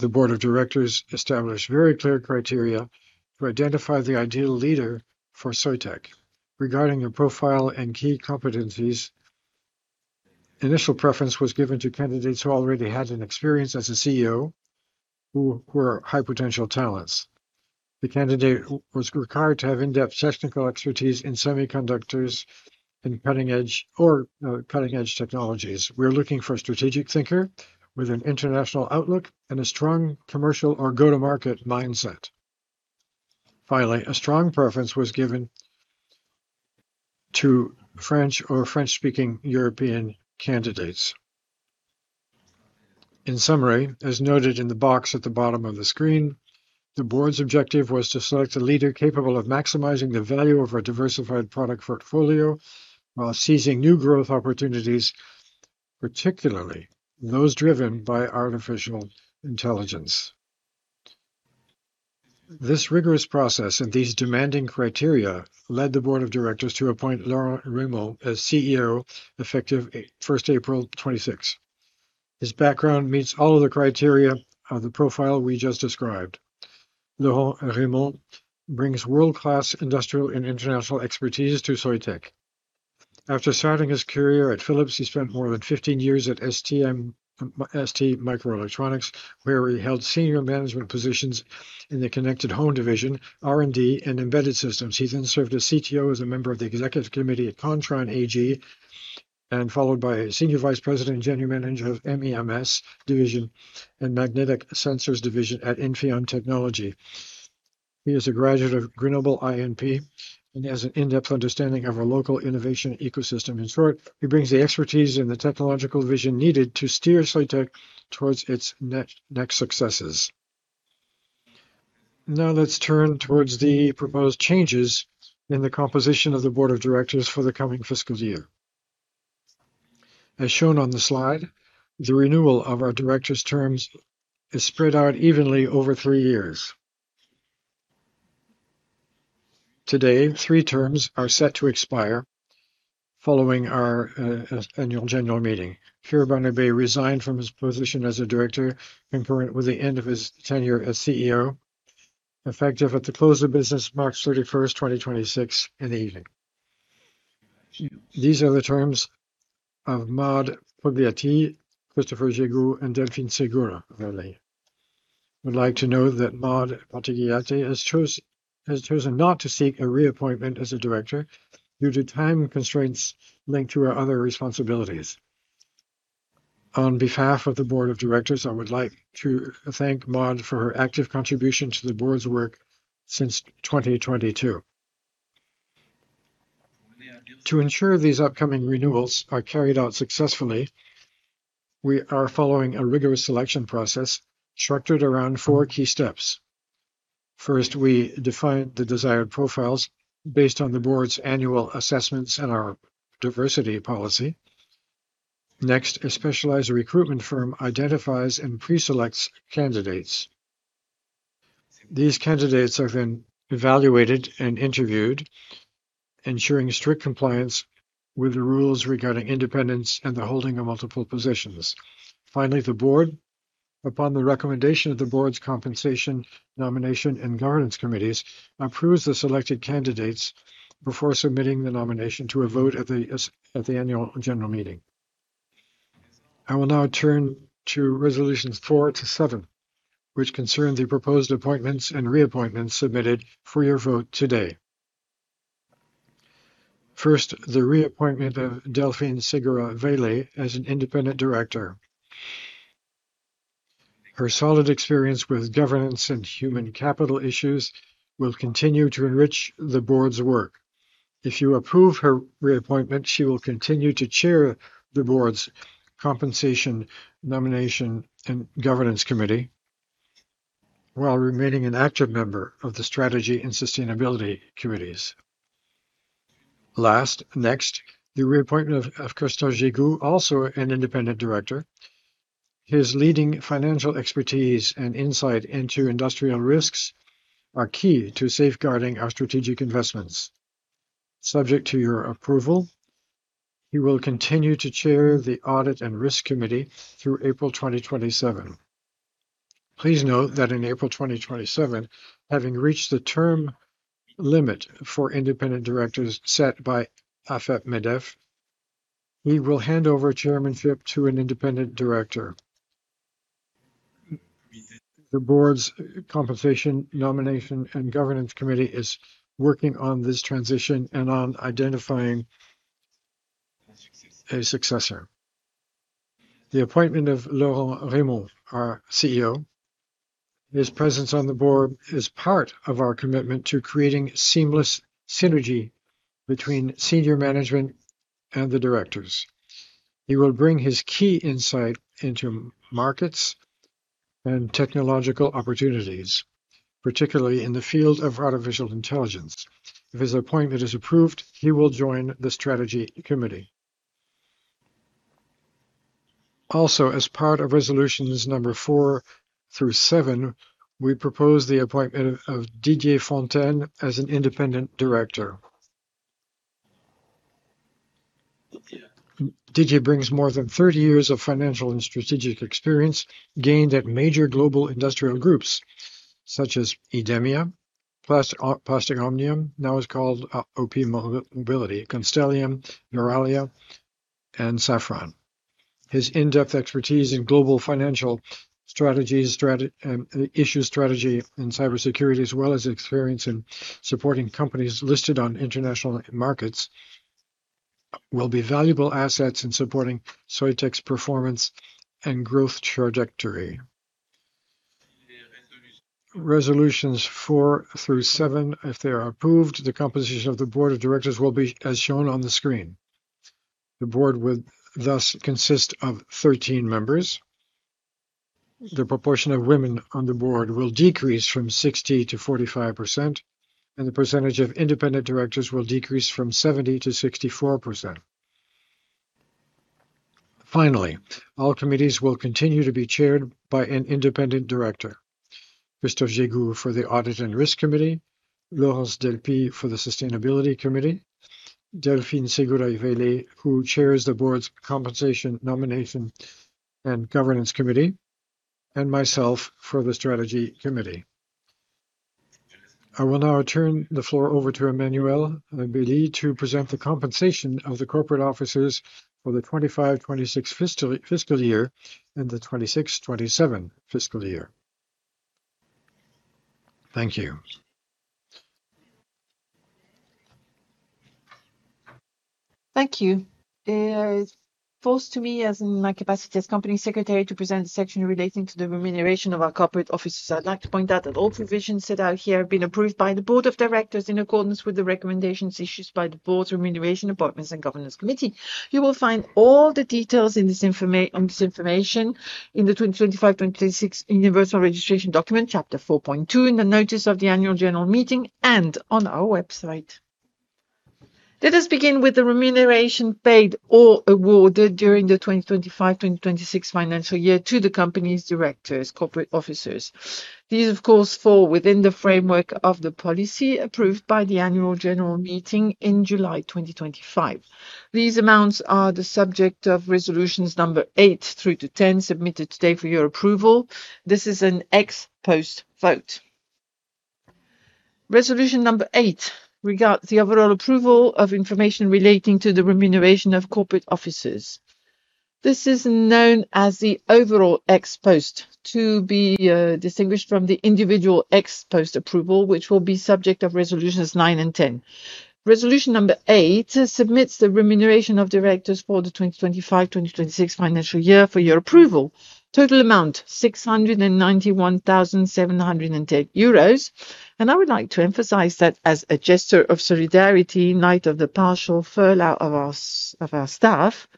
S1: The Board of directors established very clear criteria to identify the ideal leader for Soitec. Regarding the profile and key competencies, initial preference was given to candidates who already had an experience as a CEO, who were high-potential talents. The candidate was required to have in-depth technical expertise in semiconductors or cutting-edge technologies. We are looking for a strategic thinker with an international outlook and a strong commercial or go-to-market mindset. A strong preference was given to French or French-speaking European candidates. In summary, as noted in the box at the bottom of the screen, the Board's objective was to select a leader capable of maximizing the value of our diversified product portfolio while seizing new growth opportunities, particularly those driven by artificial intelligence. This rigorous process and these demanding criteria led the Board of Directors to appoint Laurent Rémont as CEO, effective April 1, 2026. His background meets all of the criteria of the profile we just described. Laurent Rémont brings world-class industrial and international expertise to Soitec. After starting his career at Philips, he spent more than 15 years at STMicroelectronics, where he held senior management positions in the Connected Home division, R&D, and Embedded Systems. He served as CTO as a member of the Executive Committee at Kontron AG, and followed by senior vice president and general manager of MEMS division and Magnetic Sensors division at Infineon Technologies. He is a graduate of Grenoble INP and has an in-depth understanding of our local innovation ecosystem. He brings the expertise and the technological vision needed to steer Soitec towards its next successes. Let's turn towards the proposed changes in the composition of the Board of directors for the coming fiscal year. As shown on the slide, the renewal of our directors' terms is spread out evenly over three years. Today, three terms are set to expire following our annual general meeting. Pierre Barnabé resigned from his position as a director concurrent with the end of his tenure as CEO, effective at the close of business March 31st, 2026 in the evening. These are the terms of Maude Portigliatti, Christophe Gégout, and Delphine Segura Vaylet. We would like to note that Maude Portigliatti has chosen not to seek a reappointment as a director due to time constraints linked to her other responsibilities. On behalf of the Board of Directors, I would like to thank Maude for her active contribution to the Board's work since 2022. To ensure these upcoming renewals are carried out successfully, we are following a rigorous selection process structured around four key steps. We define the desired profiles based on the Board's annual assessments and our diversity policy. A specialized recruitment firm identifies and pre-selects candidates. These candidates are evaluated and interviewed, ensuring strict compliance with the rules regarding independence and the holding of multiple positions. Finally, the Board, upon the recommendation of the Board's Compensation, Nominations and Governance Committees, approves the selected candidates before submitting the nomination to a vote at the annual general meeting. I will now turn to resolutions four to seven, which concern the proposed appointments and reappointments submitted for your vote today. First, the reappointment of Delphine Segura Vaylet as an independent director. Her solid experience with governance and human capital issues will continue to enrich the Board's work. If you approve her reappointment, she will continue to chair the Board's Compensation, Nominations and Governance Committee while remaining an active member of the Strategy and Sustainability Committees. Next, the reappointment of Christophe Gégout, also an independent director. His leading financial expertise and insight into industrial risks are key to safeguarding our strategic investments. Subject to your approval, he will continue to chair the Audit and Risk Committee through April 2027. Please note that in April 2027, having reached the term limit for independent directors set by AFEP-MEDEF, he will hand over chairmanship to an independent director. The Board's Compensation, Nominations and Governance Committee is working on this transition and on identifying a successor. The appointment of Laurent Rémont, our CEO. His presence on the Board is part of our commitment to creating seamless synergy between senior management and the directors. He will bring his key insight into markets and technological opportunities, particularly in the field of artificial intelligence. If his appointment is approved, he will join the Strategic Committee. Also, as part of resolutions number four through seven, we propose the appointment of Didier Fontaine as an independent director. Didier brings more than 30 years of financial and strategic experience gained at major global industrial groups such as IDEMIA, Plastic Omnium, now it's called OPmobility, Constellium, Verallia, and Safran. His in-depth expertise in global financial strategies, issue strategy, and cybersecurity, as well as experience in supporting companies listed on international markets, will be valuable assets in supporting Soitec's performance and growth trajectory. Resolutions four through seven, if they are approved, the composition of the Board of directors will be as shown on the screen. The Board would thus consist of 13 members. The proportion of women on the Board will decrease from 60% to 45%, and the percentage of independent directors will decrease from 70% to 64%. Finally, all committees will continue to be chaired by an independent director. Mr. Gégout for the Audit and Risk Committee, Laurence Delpy for the Sustainability Committee, Delphine Segura Vaylet, who chairs the Board's Compensation, Nominations and Governance Committee, and myself for the Strategic Committee. I will now turn the floor over to Emmanuelle Bely to present the compensation of the corporate officers for the fiscal year 2025-2026 and the fiscal year 2026-2027. Thank you.
S2: Thank you. It falls to me in my capacity as company secretary to present the section relating to the remuneration of our corporate officers. I'd like to point out that all provisions set out here have been approved by the Board of directors in accordance with the recommendations issued by the Board's Remuneration, Appointments, and Governance Committee. You will find all the details on this information in the 2025-2026 Universal Registration Document, chapter 4.2, in the notice of the annual general meeting, and on our website. Let us begin with the remuneration paid or awarded during the 2025-2026 financial year to the company's directors, corporate officers. These, of course, fall within the framework of the policy approved by the annual general meeting in July 2025. These amounts are the subject of resolutions number eight through to 10, submitted today for your approval. This is an ex post vote. Resolution number eight regards the overall approval of information relating to the remuneration of corporate officers. This is known as the overall ex post, to be distinguished from the individual ex post approval, which will be subject of resolutions nine and 10. Resolution number eight submits the remuneration of directors for the 2025-2026 financial year for your approval. Total amount, 691,710 euros. I would like to emphasize that as a gesture of solidarity in light of the partial furlough of our staff,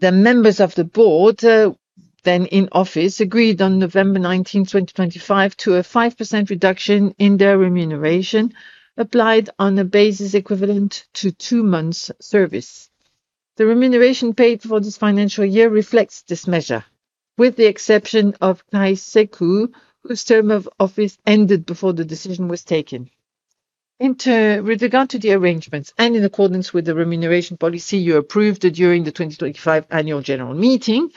S2: the members of the Board then in office agreed on November 19, 2025, to a 5% reduction in their remuneration, applied on a basis equivalent to two months' service. The remuneration paid for this financial year reflects this measure, with the exception of Kai Seikku, whose term of office ended before the decision was taken. With regard to the arrangements and in accordance with the remuneration policy you approved during the 2025 annual general meeting,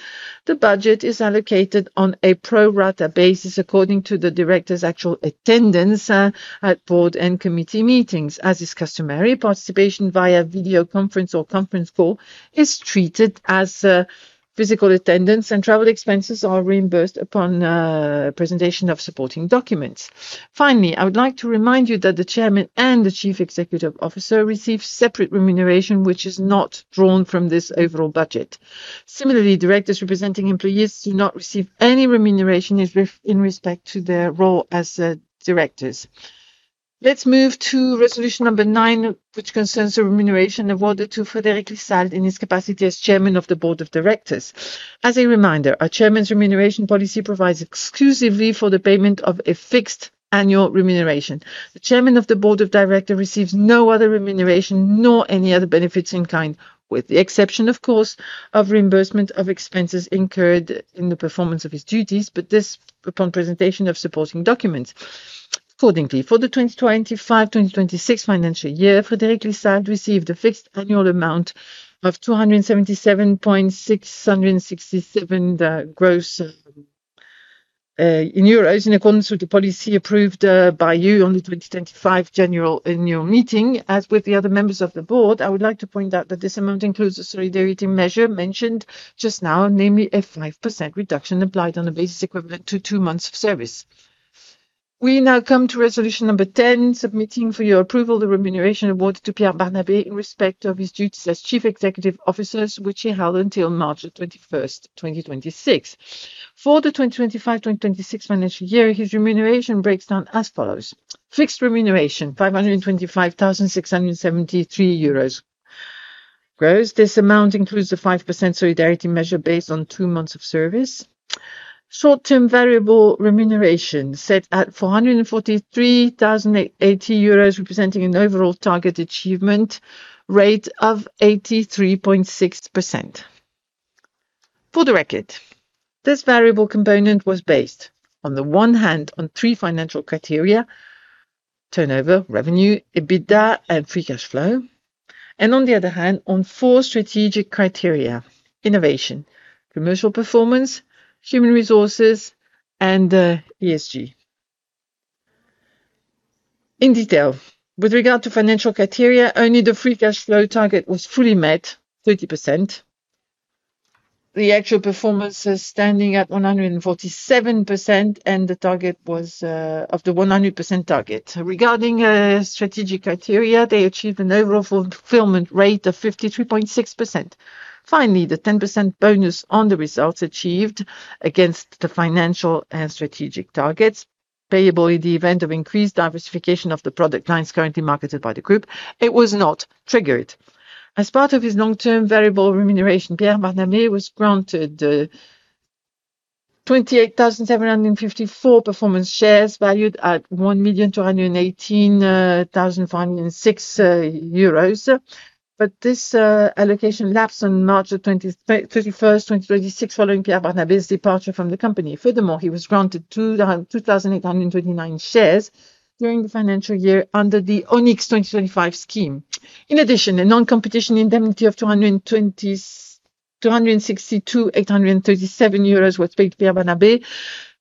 S2: the budget is allocated on a pro rata basis according to the director's actual attendance at board and committee meetings. As is customary, participation via video conference or conference call is treated as physical attendance, and travel expenses are reimbursed upon presentation of supporting documents. Finally, I would like to remind you that the chairman and the chief executive officer receive separate remuneration, which is not drawn from this overall budget. Similarly, directors representing employees do not receive any remuneration in respect to their role as directors. Let's move to resolution number nine, which concerns the remuneration awarded to Frédéric Lissalde in his capacity as Chairman of the Board of directors. As a reminder, our chairman's remuneration policy provides exclusively for the payment of a fixed annual remuneration. The Chairman of the Board of directors receives no other remuneration nor any other benefits in kind, with the exception, of course, of reimbursement of expenses incurred in the performance of his duties, but this upon presentation of supporting documents. Accordingly, for the 2025-2026 financial year, Frédéric Lissalde received a fixed annual amount of 277,667 gross in accordance with the policy approved by you on the 2025 general annual meeting. As with the other members of the Board, I would like to point out that this amount includes a solidarity measure mentioned just now, namely a 5% reduction applied on a basis equivalent to two months of service. We now come to resolution number 10, submitting for your approval the remuneration awarded to Pierre Barnabé in respect of his duties as Chief Executive Officer, which he held until March 21st, 2026. For the 2025-2026 financial year, his remuneration breaks down as follows. Fixed remuneration, 525,673 euros gross. This amount includes a 5% solidarity measure based on two months of service. Short-term variable remuneration set at 443,080 euros, representing an overall target achievement rate of 83.6%. For the record, this variable component was based, on the one hand, on three financial criteria, turnover, revenue, EBITDA, and free cash flow. On the other hand, on four strategic criteria, innovation, commercial performance, human resources, and ESG. In detail, with regard to financial criteria, only the free cash flow target was fully met, 30%. The actual performance is standing at 147% of the 100% target. Regarding strategic criteria, they achieved an overall fulfillment rate of 53.6%. Finally, the 10% bonus on the results achieved against the financial and strategic targets payable in the event of increased diversification of the product lines currently marketed by the group, it was not triggered. As part of his long-term variable remuneration, Pierre Barnabé was granted 28,754 performance shares valued at 1,218,506 euros. This allocation lapsed on March 31st, 2026, following Pierre Barnabé's departure from the company. Furthermore, he was granted 2,829 shares during the financial year under the Onyx 2025 scheme. In addition, a non-competition indemnity of 262,837 euros was paid to Pierre Barnabé,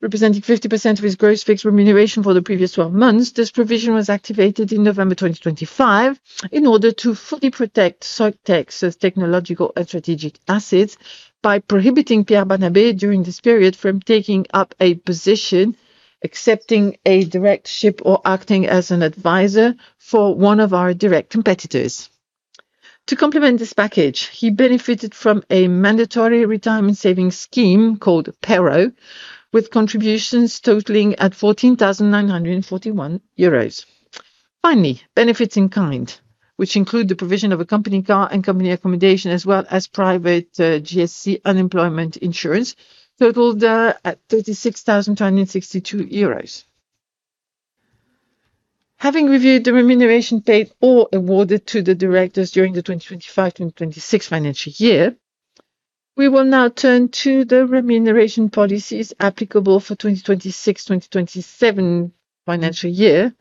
S2: representing 50% of his gross fixed remuneration for the previous 12 months. This provision was activated in November 2025 in order to fully protect Soitec's technological and strategic assets by prohibiting Pierre Barnabé during this period from taking up a position, accepting a directorship, or acting as an advisor for one of our direct competitors. To complement this package, he benefited from a mandatory retirement savings scheme called PERO, with contributions totaling at 14,941 euros. Finally, benefits in kind, which include the provision of a company car and company accommodation, as well as private GSC unemployment insurance, totaled at 36,262 euros. Having reviewed the remuneration paid or awarded to the directors during the 2025-2026 financial year, we will now turn to the remuneration policies applicable for 2026-2027 financial year,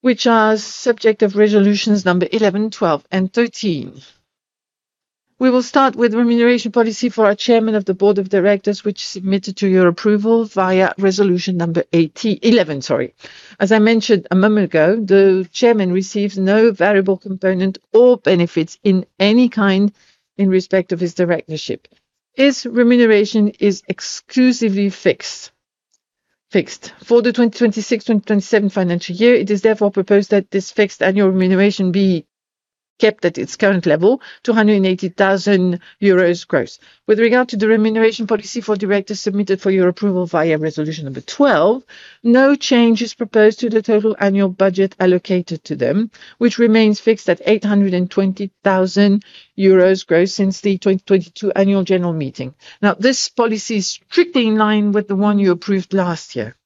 S2: which are subject of resolutions number 11, 12, and 13. We will start with remuneration policy for our Chairman of the Board of Directors, which is submitted to your approval via resolution number 11. As I mentioned a moment ago, the Chairman receives no variable component or benefits in any kind in respect of his directorship. His remuneration is exclusively fixed. For the 2026-2027 financial year, it is therefore proposed that this fixed annual remuneration be kept at its current level, 280,000 euros gross. With regard to the remuneration policy for directors submitted for your approval via resolution number 12, no change is proposed to the total annual budget allocated to them, which remains fixed at 820,000 euros gross since the 2022 annual general meeting. This policy is strictly in line with the one you approved last year.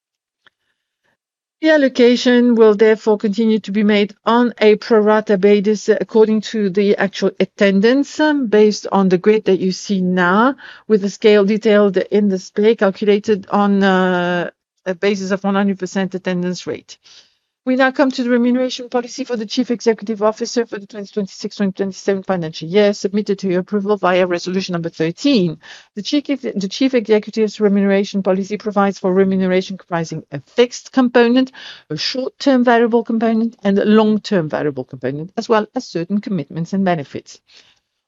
S2: The allocation will therefore continue to be made on a pro-rata basis according to the actual attendance based on the grid that you see now with the scale detailed in this grid calculated on a basis of 100% attendance rate. We now come to the remuneration policy for the Chief Executive Officer for the 2026-2027 financial year, submitted to your approval via resolution number 13. The Chief Executive's remuneration policy provides for remuneration comprising a fixed component, a short-term variable component, and a long-term variable component, as well as certain commitments and benefits.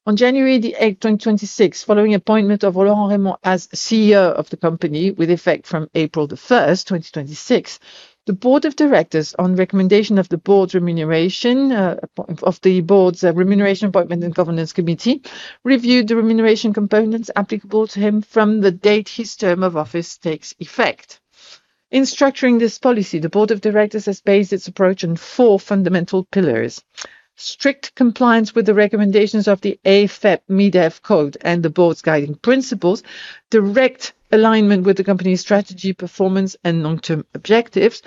S2: On January 8th, 2026, following appointment of Laurent Rémont as CEO of the company with effect from April 1st, 2026, the Board of Directors, on recommendation of the Board's Remuneration, Appointment and Governance Committee, reviewed the remuneration components applicable to him from the date his term of office takes effect. In structuring this policy, the Board of Directors has based its approach on four fundamental pillars: strict compliance with the recommendations of the AFEP-MEDEF Code and the Board's guiding principles, direct alignment with the company's strategy, performance, and long-term objectives,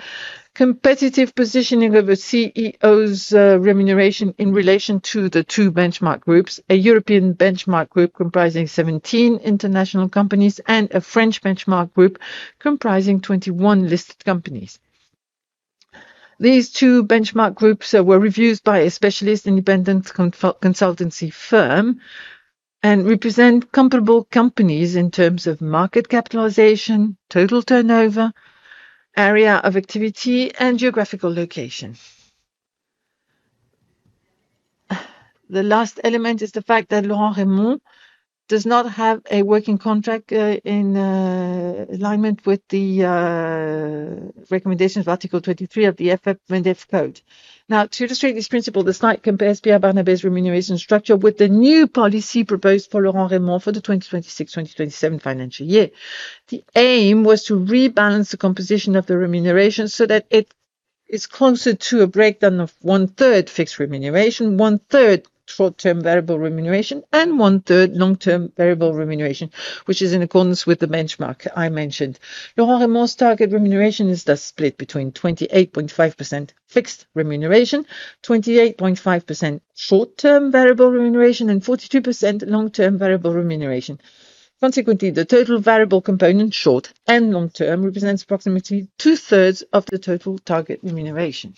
S2: competitive positioning of a CEO's remuneration in relation to the two benchmark groups, a European benchmark group comprising 17 international companies and a French benchmark group comprising 21 listed companies. These two benchmark groups were reviewed by a specialist independent consultancy firm and represent comparable companies in terms of market capitalization, total turnover, area of activity, and geographical location. The last element is the fact that Laurent Rémont does not have a working contract in alignment with the recommendations of Article 23 of the AFEP-MEDEF Code. To illustrate this principle, the slide compares Pierre Barnabé's remuneration structure with the new policy proposed for Laurent Rémont for the 2026-2027 financial year. The aim was to rebalance the composition of the remuneration so that it is closer to a breakdown of one-third fixed remuneration, one-third short-term variable remuneration, and one-third long-term variable remuneration, which is in accordance with the benchmark I mentioned. Laurent Rémont's target remuneration is thus split between 28.5% fixed remuneration, 28.5% short-term variable remuneration, and 42% long-term variable remuneration. Consequently, the total variable component, short and long term, represents approximately two-thirds of the total target remuneration.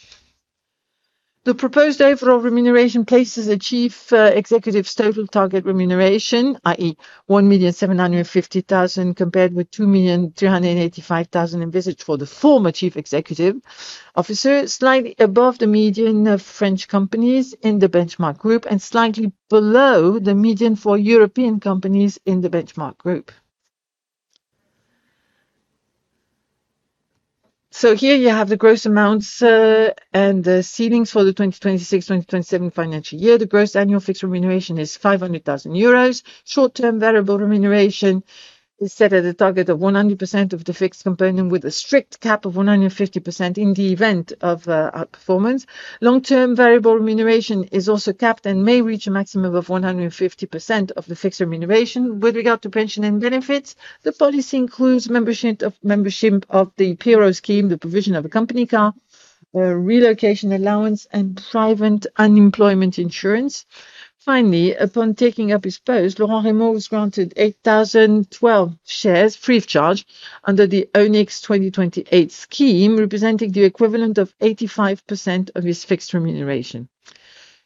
S2: The proposed overall remuneration places the Chief Executive's total target remuneration, i.e. 1,750,000 compared with 2,385,000 envisaged for the former Chief Executive Officer, slightly above the median of French companies in the benchmark group and slightly below the median for European companies in the benchmark group. So here you have the gross amounts and the ceilings for the 2026-2027 financial year. The gross annual fixed remuneration is 500,000 euros. Short-term variable remuneration is set at a target of 100% of the fixed component with a strict cap of 150% in the event of outperformance. Long-term variable remuneration is also capped and may reach a maximum of 150% of the fixed remuneration. With regard to pension and benefits, the policy includes membership of the PERO scheme, the provision of a company car, a relocation allowance, and private unemployment insurance. Upon taking up his post, Laurent Rémont was granted 8,012 shares free of charge under the Onyx 2028 scheme, representing the equivalent of 85% of his fixed remuneration.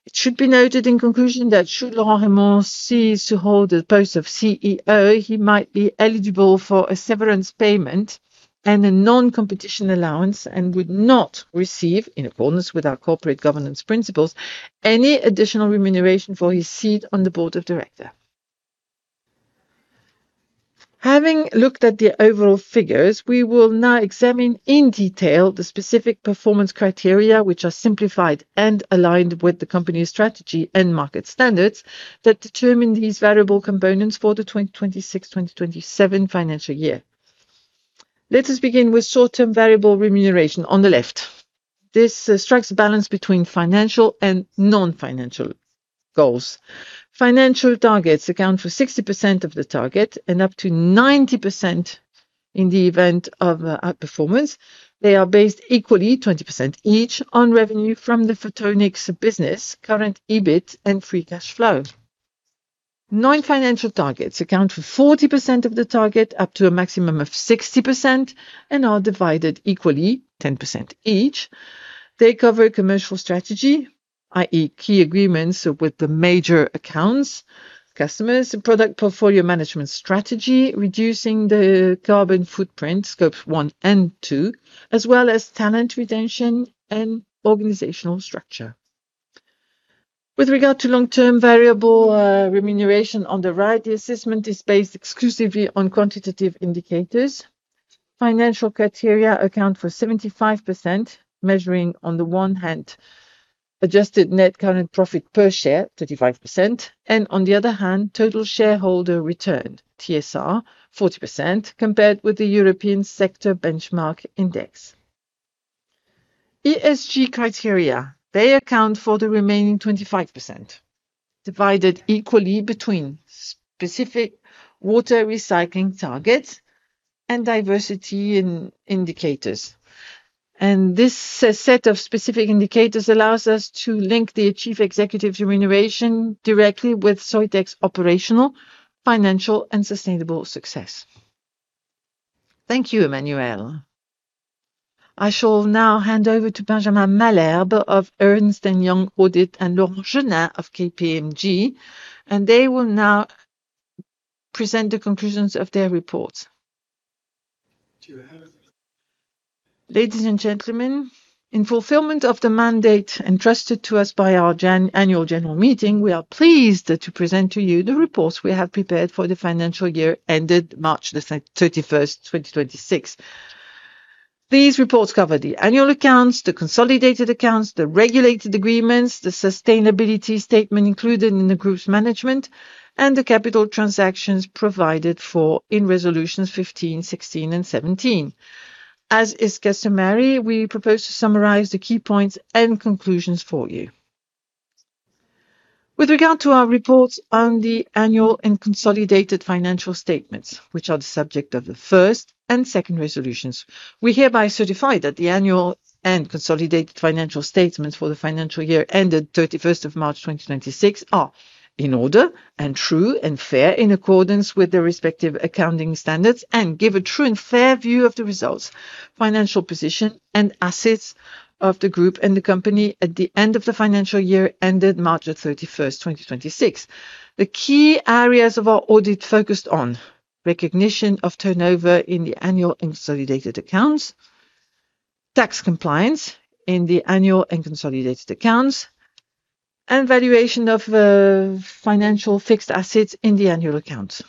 S2: It should be noted in conclusion that should Laurent Rémont cease to hold the post of CEO, he might be eligible for a severance payment and a non-competition allowance and would not receive, in accordance with our corporate governance principles, any additional remuneration for his seat on the Board of Directors. Having looked at the overall figures, we will now examine in detail the specific performance criteria, which are simplified and aligned with the company's strategy and market standards that determine these variable components for the 2026-2027 financial year. Let us begin with short-term variable remuneration on the left. This strikes a balance between financial and non-financial goals. Financial targets account for 60% of the target and up to 90% in the event of outperformance. They are based equally, 20% each, on revenue from the Photonics business, current EBIT, and free cash flow. Non-financial targets account for 40% of the target, up to a maximum of 60%, and are divided equally, 10% each. They cover commercial strategy, i.e., key agreements with the major accounts, customers, product portfolio management strategy, reducing the carbon footprint, Scopes 1 and 2, as well as talent retention and organizational structure. With regard to long-term variable remuneration on the right, the assessment is based exclusively on quantitative indicators. Financial criteria account for 75%, measuring, on the one hand, adjusted net current profit per share, 35%, and on the other hand, total shareholder return, TSR, 40%, compared with the European Sector Benchmark Index. ESG criteria. They account for the remaining 25%, divided equally between specific water recycling targets and diversity indicators. This set of specific indicators allows us to link the Chief Executive's remuneration directly with Soitec's operational, financial, and sustainable success.
S1: Thank you, Emmanuelle. I shall now hand over to Benjamin Malherbe of Ernst & Young Audit and Laurent Genin of KPMG. They will now present the conclusions of their reports.
S5: Ladies and gentlemen, in fulfillment of the mandate entrusted to us by our annual general meeting, we are pleased to present to you the reports we have prepared for the financial year ended March 31st, 2026. These reports cover the annual accounts, the consolidated accounts, the regulated agreements, the sustainability statement included in the group's management, and the capital transactions provided for in resolutions 15, 16, and 17. As is customary, we propose to summarize the key points and conclusions for you. With regard to our reports on the annual and consolidated financial statements, which are the subject of the first and second resolutions, we hereby certify that the annual and consolidated financial statements for the financial year ended 31st of March, 2026 are in order and true and fair in accordance with their respective accounting standards and give a true and fair view of the results, financial position and assets of the group and the company at the end of the financial year ended March 31st, 2026. The key areas of our audit focused on recognition of turnover in the annual and consolidated accounts, tax compliance in the annual and consolidated accounts, and valuation of financial fixed assets in the annual accounts.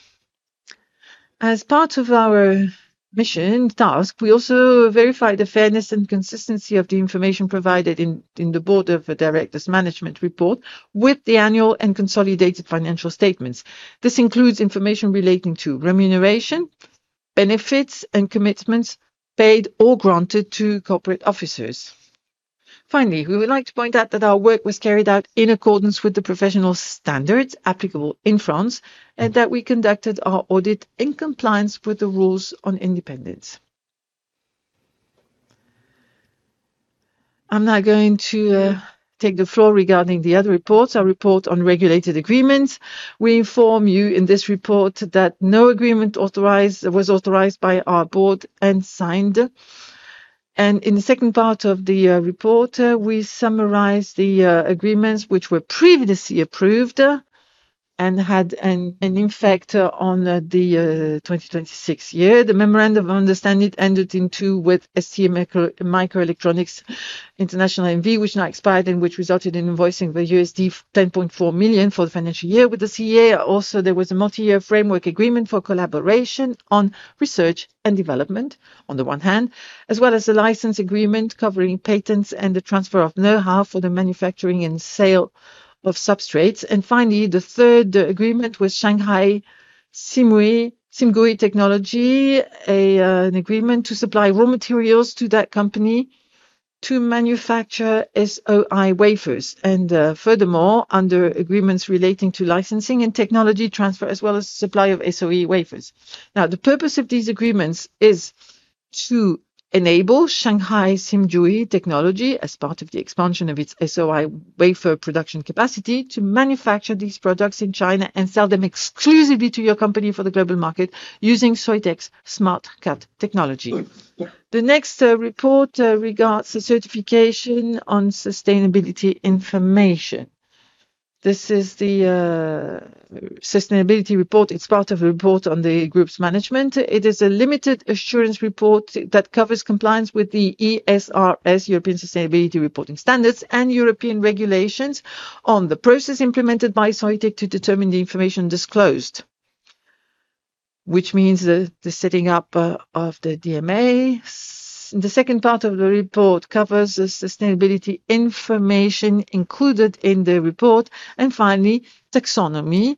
S5: As part of our mission task, we also verify the fairness and consistency of the information provided in the Board of Directors' management report with the annual and consolidated financial statements. This includes information relating to remuneration, benefits, and commitments paid or granted to corporate officers. Finally, we would like to point out that our work was carried out in accordance with the professional standards applicable in France and that we conducted our audit in compliance with the rules on independence.
S6: I'm now going to take the floor regarding the other reports, our report on regulated agreements. We inform you in this report that no agreement was authorized by our board and signed. In the second part of the report, we summarize the agreements which were previously approved and had an effect on the 2026 year. The memorandum of understanding entered into with STMicroelectronics International N.V., which now expired and which resulted in invoicing the $10.4 million for the financial year with the CEA. Also, there was a multi-year framework agreement for collaboration on research and development on the one hand, as well as the license agreement covering patents and the transfer of knowhow for the manufacturing and sale of substrates. Finally, the third agreement with Shanghai Simgui Technology, an agreement to supply raw materials to that company to manufacture SOI wafers and furthermore, under agreements relating to licensing and technology transfer, as well as supply of SOI wafers. The purpose of these agreements is to enable Shanghai Simgui Technology as part of the expansion of its SOI wafer production capacity to manufacture these products in China and sell them exclusively to your company for the global market using Soitec's Smart Cut technology. The next report regards the certification on sustainability information. This is the sustainability report. It's part of a report on the group's management. It is a limited assurance report that covers compliance with the ESRS, European Sustainability Reporting Standards, and European regulations on the process implemented by Soitec to determine the information disclosed, which means the setting up of the DMAs. The second part of the report covers the sustainability information included in the report, finally, taxonomy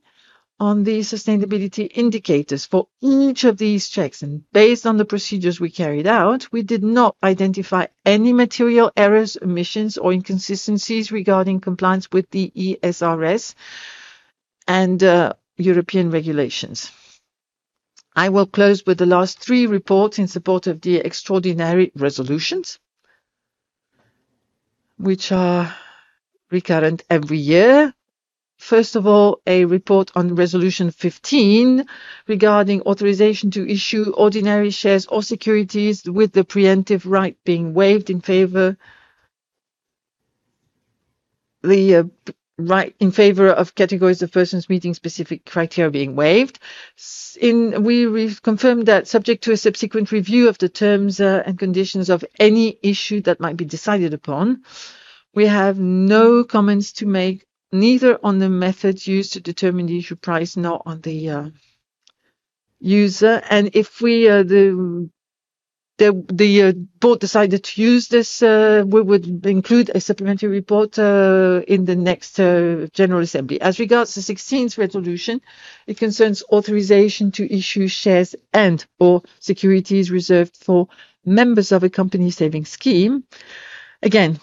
S6: on the sustainability indicators. For each of these checks, based on the procedures we carried out, we did not identify any material errors, omissions or inconsistencies regarding compliance with the ESRS and European regulations. I will close with the last three reports in support of the extraordinary resolutions, which are recurrent every year. First of all, a report on resolution 15 regarding authorization to issue ordinary shares or securities with the preemptive right being waived in favor of categories of persons meeting specific criteria being waived. We've confirmed that subject to a subsequent review of the terms and conditions of any issue that might be decided upon, we have no comments to make, neither on the methods used to determine the issue price, nor on the use. If the Board decided to use this, we would include a supplementary report in the next general assembly. As regards the 16th resolution, it concerns authorization to issue shares and/or securities reserved for members of a company savings scheme.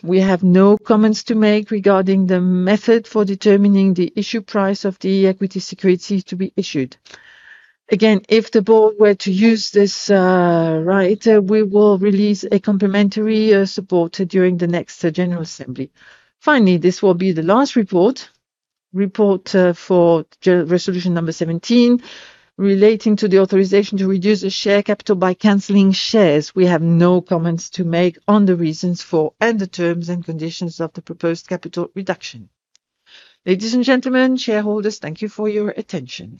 S6: We have no comments to make regarding the method for determining the issue price of the equity securities to be issued. If the Board were to use this right, we will release a complementary support during the next general assembly. Finally, this will be the last report. Report for resolution number 17 relating to the authorization to reduce the share capital by canceling shares. We have no comments to make on the reasons for and the terms and conditions of the proposed capital reduction. Ladies and gentlemen, shareholders, thank you for your attention.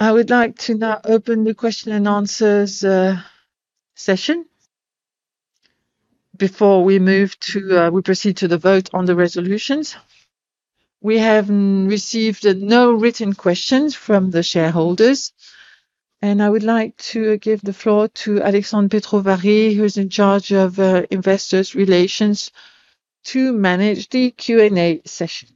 S1: I would like to now open the question and answers session before we proceed to the vote on the resolutions. We have received no written questions from the shareholders. I would like to give the floor to Alexandre Petovari, who is in charge of investor relations to manage the Q&A session.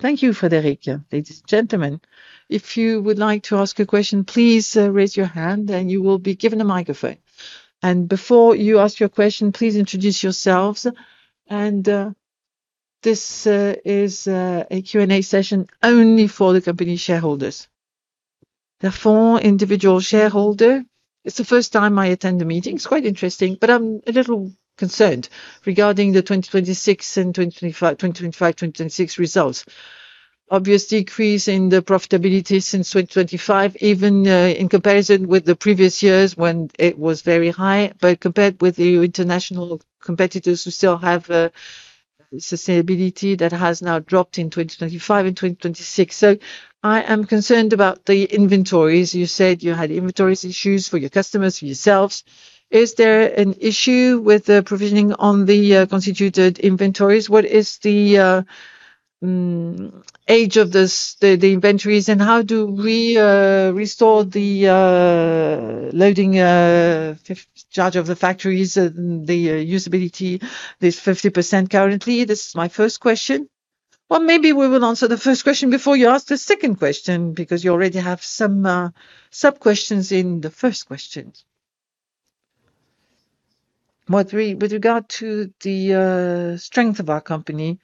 S7: Thank you, Frédéric. Ladies and gentlemen, if you would like to ask a question, please raise your hand and you will be given a microphone. Before you ask your question, please introduce yourselves. This is a Q&A session only for the company shareholders.
S8: For the individual shareholder. It's the first time I attend the meeting. It's quite interesting. I'm a little concerned regarding the 2025-2026 results. Obvious decrease in the profitability since 2025, even in comparison with the previous years when it was very high. Compared with the international competitors who still have a sustainability that has now dropped in 2025 and 2026. I am concerned about the inventories. You said you had inventories issues for your customers, for yourselves. Is there an issue with the provisioning on the constituted inventories? What is the age of the inventories, and how do we restore the loading charge of the factories and the usability that is 50% currently? This is my first question.
S4: Well, maybe we will answer the first question before you ask the second question because you already have some sub-questions in the first question. With regard to the strength of our company,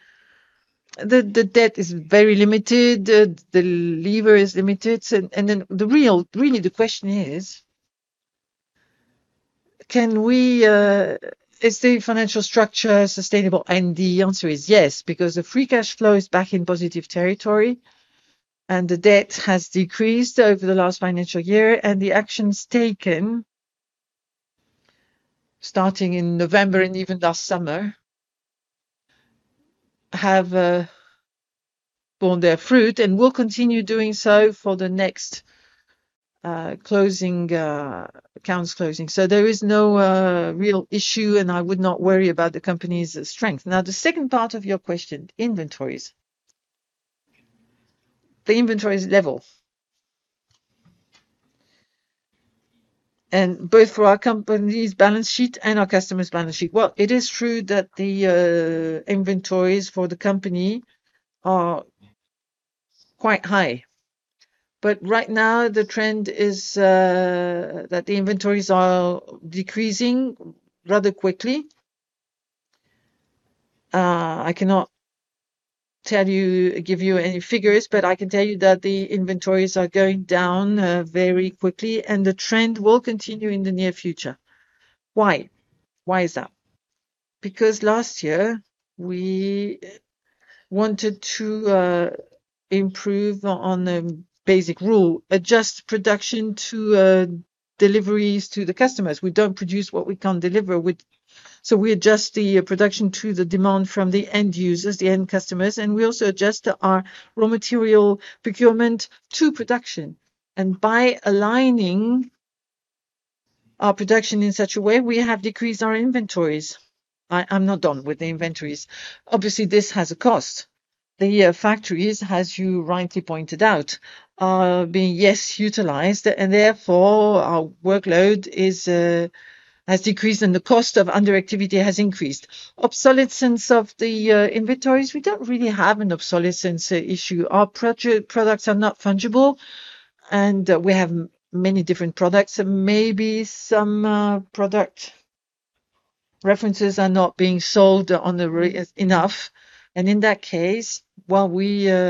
S4: the debt is very limited. The lever is limited. Really the question is the financial structure sustainable? The answer is yes, because the free cash flow is back in positive territory, and the debt has decreased over the last financial year, and the actions taken, starting in November and even last summer, have borne their fruit and will continue doing so for the next accounts closing. There is no real issue, and I would not worry about the company's strength. Now, the second part of your question, inventories. The inventories level. Both for our company's balance sheet and our customer's balance sheet. Well, it is true that the inventories for the company are quite high. Right now the trend is that the inventories are decreasing rather quickly. I cannot give you any figures, but I can tell you that the inventories are going down very quickly, and the trend will continue in the near future. Why? Why is that? Because last year we wanted to improve on the basic rule, adjust production to deliveries to the customers. We don't produce what we can't deliver. We adjust the production to the demand from the end users, the end customers, and we also adjust our raw material procurement to production. By aligning our production in such a way, we have decreased our inventories. I'm not done with the inventories. Obviously, this has a cost. The factories, as you rightly pointed out, are being utilized, and therefore our workload has decreased, and the cost of underactivity has increased. Obsolescence of the inventories, we don't really have an obsolescence issue. Our products are not fungible, and we have many different products, and maybe some product references are not being sold enough. In that case, while we take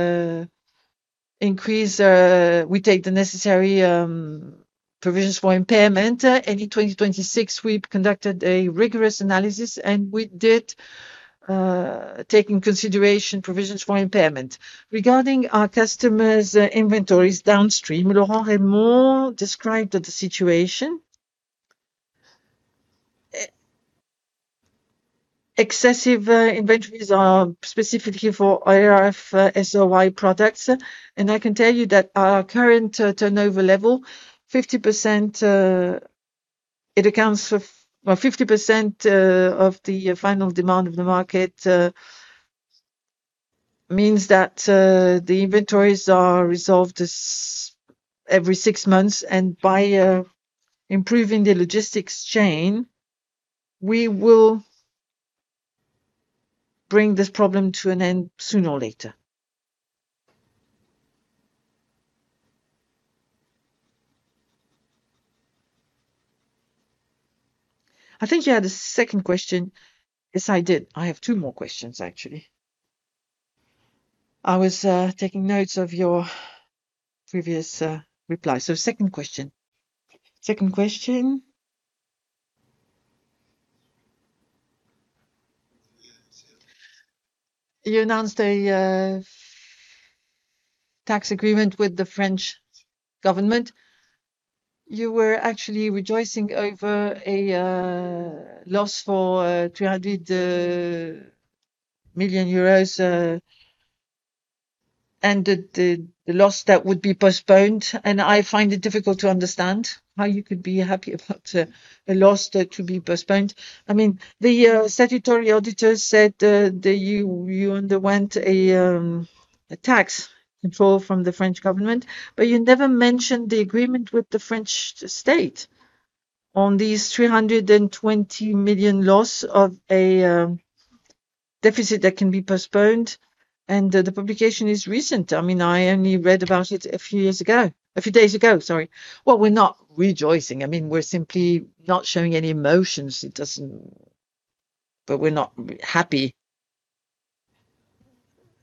S4: the necessary provisions for impairment. In 2026, we conducted a rigorous analysis, and we did take in consideration provisions for impairment. Regarding our customers' inventories downstream, Laurent Rémont described the situation. Excessive inventories are specifically for RF-SOI products, and I can tell you that our current turnover level, it accounts for 50% of the final demand of the market, means that the inventories are resolved every six months, and by improving the logistics chain, we will bring this problem to an end sooner or later.
S1: I think you had a second question.
S8: Yes, I did. I have two more questions, actually. I was taking notes of your previous reply. Second question. You announced a tax agreement with the French government. You were actually rejoicing over a loss for EUR 300 million, and the loss that would be postponed, and I find it difficult to understand how you could be happy about a loss to be postponed. The statutory auditor said that you underwent a tax control from the French government, but you never mentioned the agreement with the French state. On these 320 million loss of a deficit that can be postponed, and the publication is recent. I only read about it a few days ago.
S4: Well, we're not rejoicing. We're simply not showing any emotions. But we're not happy.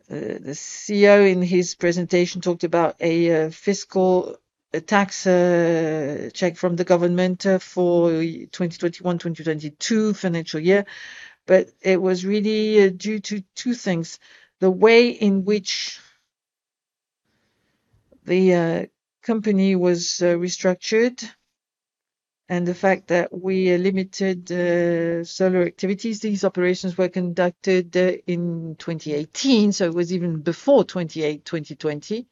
S4: The CEO, in his presentation, talked about a fiscal tax check from the government for 2021, 2022 financial year. But it was really due to two things. The way in which the company was restructured and the fact that we limited solar activities. These operations were conducted in 2018, so it was even before 2018, 2020.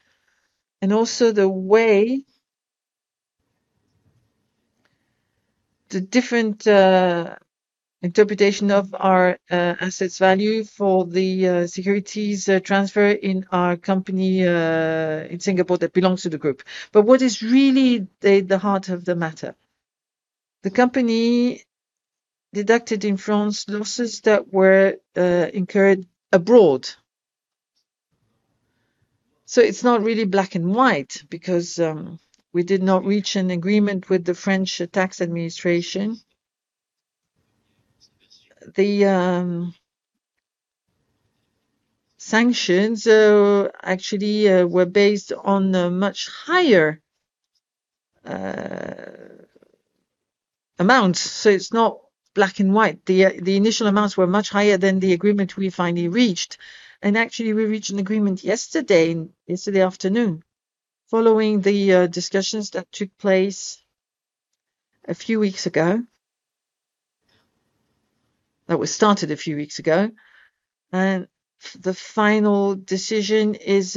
S4: And also the way the different interpretation of our assets value for the securities transfer in our company in Singapore that belongs to the group. But what is really the heart of the matter? The company deducted in France losses that were incurred abroad. It's not really black and white because we did not reach an agreement with the French tax administration. The sanctions actually were based on much higher amounts. So it's not black and white. The initial amounts were much higher than the agreement we finally reached. And actually, we reached an agreement yesterday afternoon following the discussions that took place a few weeks ago. That was started a few weeks ago, and the final decision is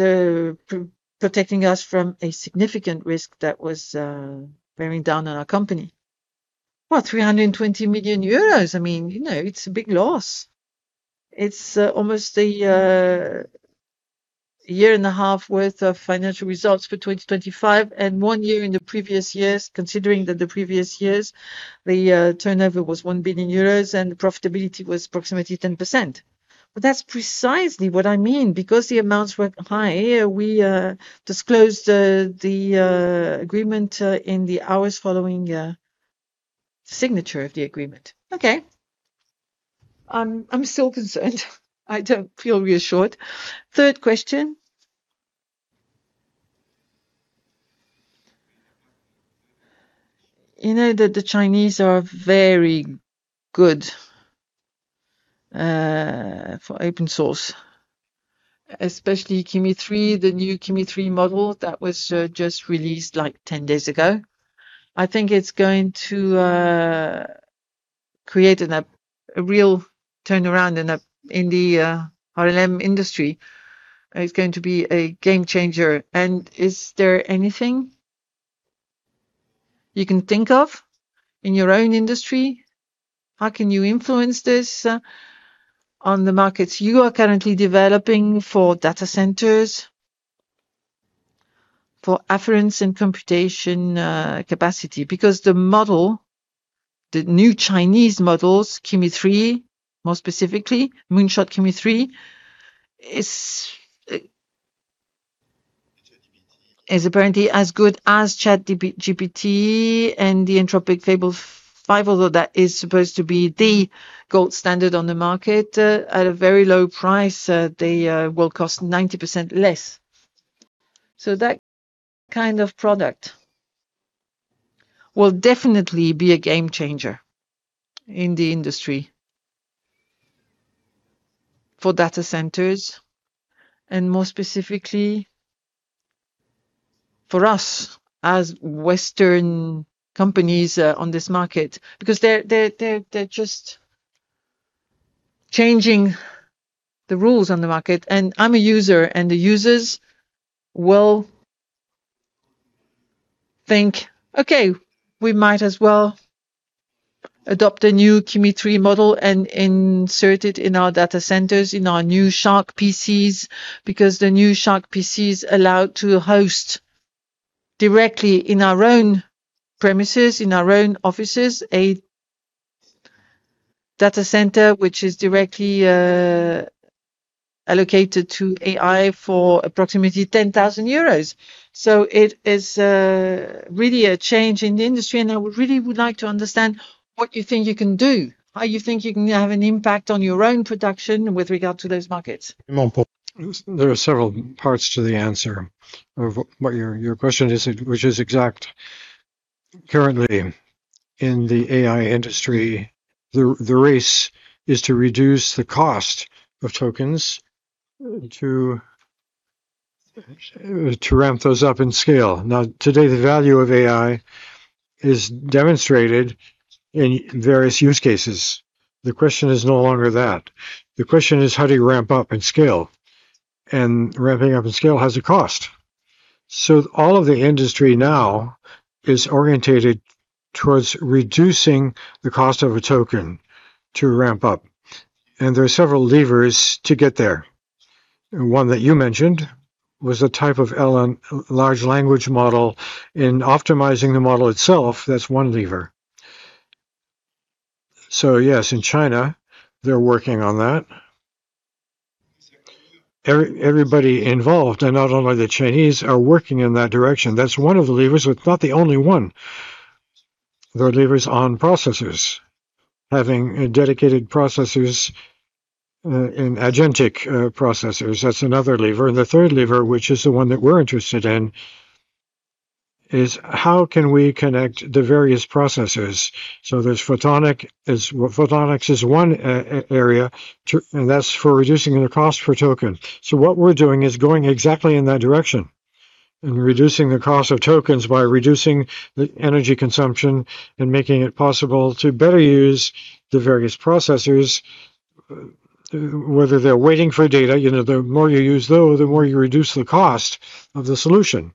S4: protecting us from a significant risk that was bearing down on our company.
S8: Well, 320 million euros, it's a big loss. It's almost a year and a half worth of financial results for 2025 and one year in the previous years, considering that the previous years, the turnover was 1 billion euros, and the profitability was approximately 10%.
S4: But that's precisely what I mean, because the amounts were high, we disclosed the agreement in the hours following the signature of the agreement.
S8: Okay. I'm still concerned. I don't feel reassured. Third question. You know that the Chinese are very good for open source, especially Kimi K3, the new Kimi K3 model that was just released 10 days ago. I think it's going to create a real turnaround in the LLM industry. It's going to be a game changer. And is there anything you can think of in your own industry? How can you influence this on the markets you are currently developing for data centers, for afferents and computation capacity? Because the model, the new Chinese models, Kimi K3, more specifically Moonshot Kimi K3, is apparently as good as ChatGPT and the Anthropic Claude Fable, although that is supposed to be the gold standard on the market at a very low price. They will cost 90% less. That kind of product will definitely be a game changer in the industry for data centers, and more specifically for us as Western companies on this market, because they're just changing the rules on the market. I'm a user, and the users will think, "Okay, we might as well adopt a new Kimi K3 model and insert it in our data centers, in our new [Shark] PCs." Because the new [Shark] PCs allow to host directly in our own premises, in our own offices, a data center which is directly allocated to AI for approximately 10,000 euros. It is really a change in the industry, and I really would like to understand what you think you can do, how you think you can have an impact on your own production with regard to those markets.
S3: There are several parts to the answer of what your question is, which is exact. Currently in the AI industry, the race is to reduce the cost of tokens to ramp those up in scale. Now, today, the value of AI is demonstrated in various use cases. The question is no longer that. The question is how do you ramp up in scale? Ramping up in scale has a cost. All of the industry now is orientated towards reducing the cost of a token to ramp up, and there are several levers to get there. One that you mentioned was a type of large language model. In optimizing the model itself, that's one lever. Yes, in China, they're working on that. Everybody involved, and not only the Chinese, are working in that direction. That's one of the levers, but it's not the only one. There are levers on processors. Having dedicated processors and agentic processors, that's another lever. The third lever, which is the one that we're interested in, is how can we connect the various processors. Photonics is one area, and that's for reducing the cost per token. What we're doing is going exactly in that direction and reducing the cost of tokens by reducing the energy consumption and making it possible to better use the various processors, whether they're waiting for data. The more you use those, the more you reduce the cost of the solution.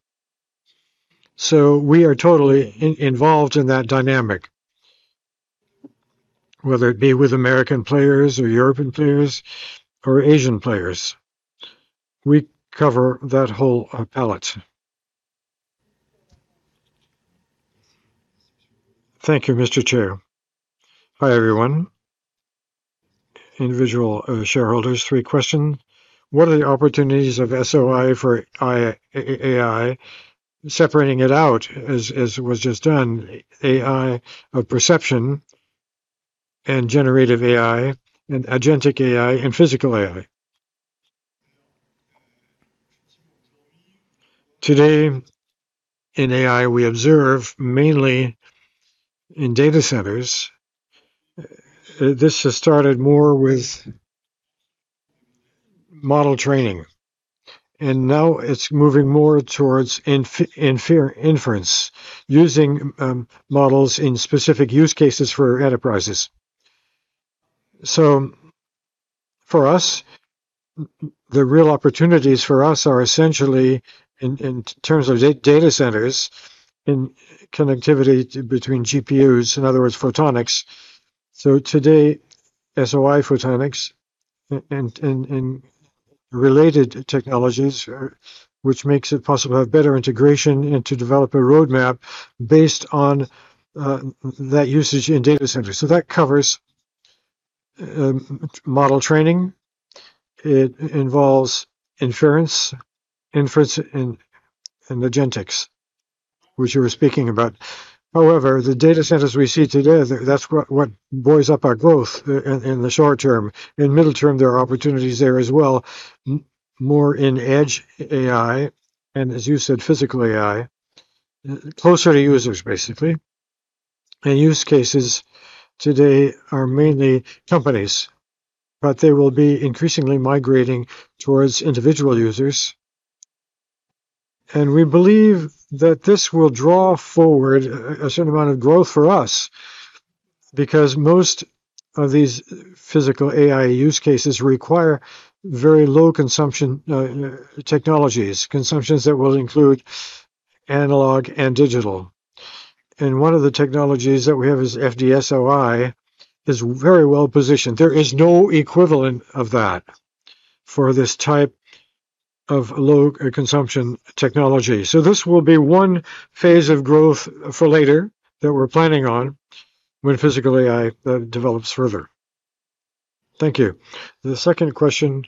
S3: We are totally involved in that dynamic, whether it be with American players or European players or Asian players. We cover that whole palette.
S9: Thank you, Mr. Chair. Hi, everyone. Individual shareholders, three questions. What are the opportunities of SOI for AI, separating it out as was just done, AI of perception and generative AI and agentic AI and physical AI?
S3: Today in AI, we observe mainly in data centers. This just started more with model training, now it's moving more towards inference, using models in specific use cases for enterprises. For us, the real opportunities for us are essentially, in terms of data centers, in connectivity between GPUs, in other words, photonics. Today, SOI photonics and related technologies, which makes it possible to have better integration and to develop a roadmap based on that usage in data centers. That covers model training. It involves inference and agentics, which you were speaking about. The data centers we see today, that's what buoys up our growth in the short term. In the middle term, there are opportunities there as well, more in edge AI, as you said, physical AI, closer to users, basically. Use cases today are mainly companies, they will be increasingly migrating towards individual users. We believe that this will draw forward a certain amount of growth for us because most of these physical AI use cases require very low consumption technologies, consumptions that will include analog and digital. One of the technologies that we have is FD-SOI is very well positioned. There is no equivalent of that for this type of low consumption technology. This will be one phase of growth for later that we're planning on when physical AI develops further.
S9: Thank you. The second question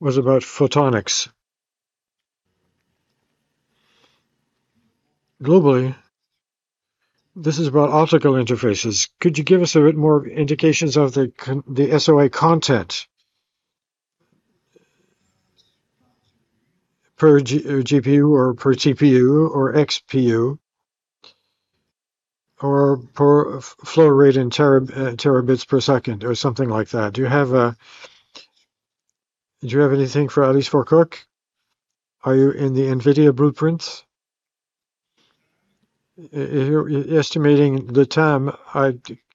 S9: was about photonics. Globally, this is about optical interfaces. Could you give us a bit more indications of the SOI content per GPU or per TPU or XPU, or per flow rate in terabits per second or something like that? Do you have anything at least for [Cook]? Are you in the NVIDIA blueprints?
S3: Estimating the TAM,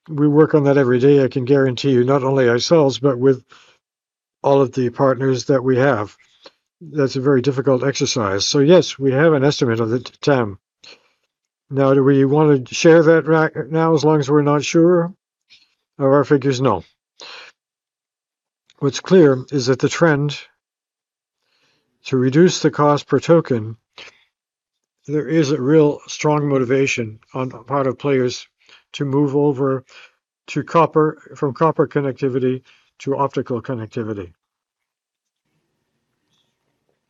S3: we work on that every day, I can guarantee you, not only ourselves, but with all of the partners that we have. That's a very difficult exercise. Yes, we have an estimate of the TAM. Now, do we want to share that right now, as long as we're not sure of our figures? No. What's clear is that the trend to reduce the cost per token, there is a real strong motivation on the part of players to move over from copper connectivity to optical connectivity.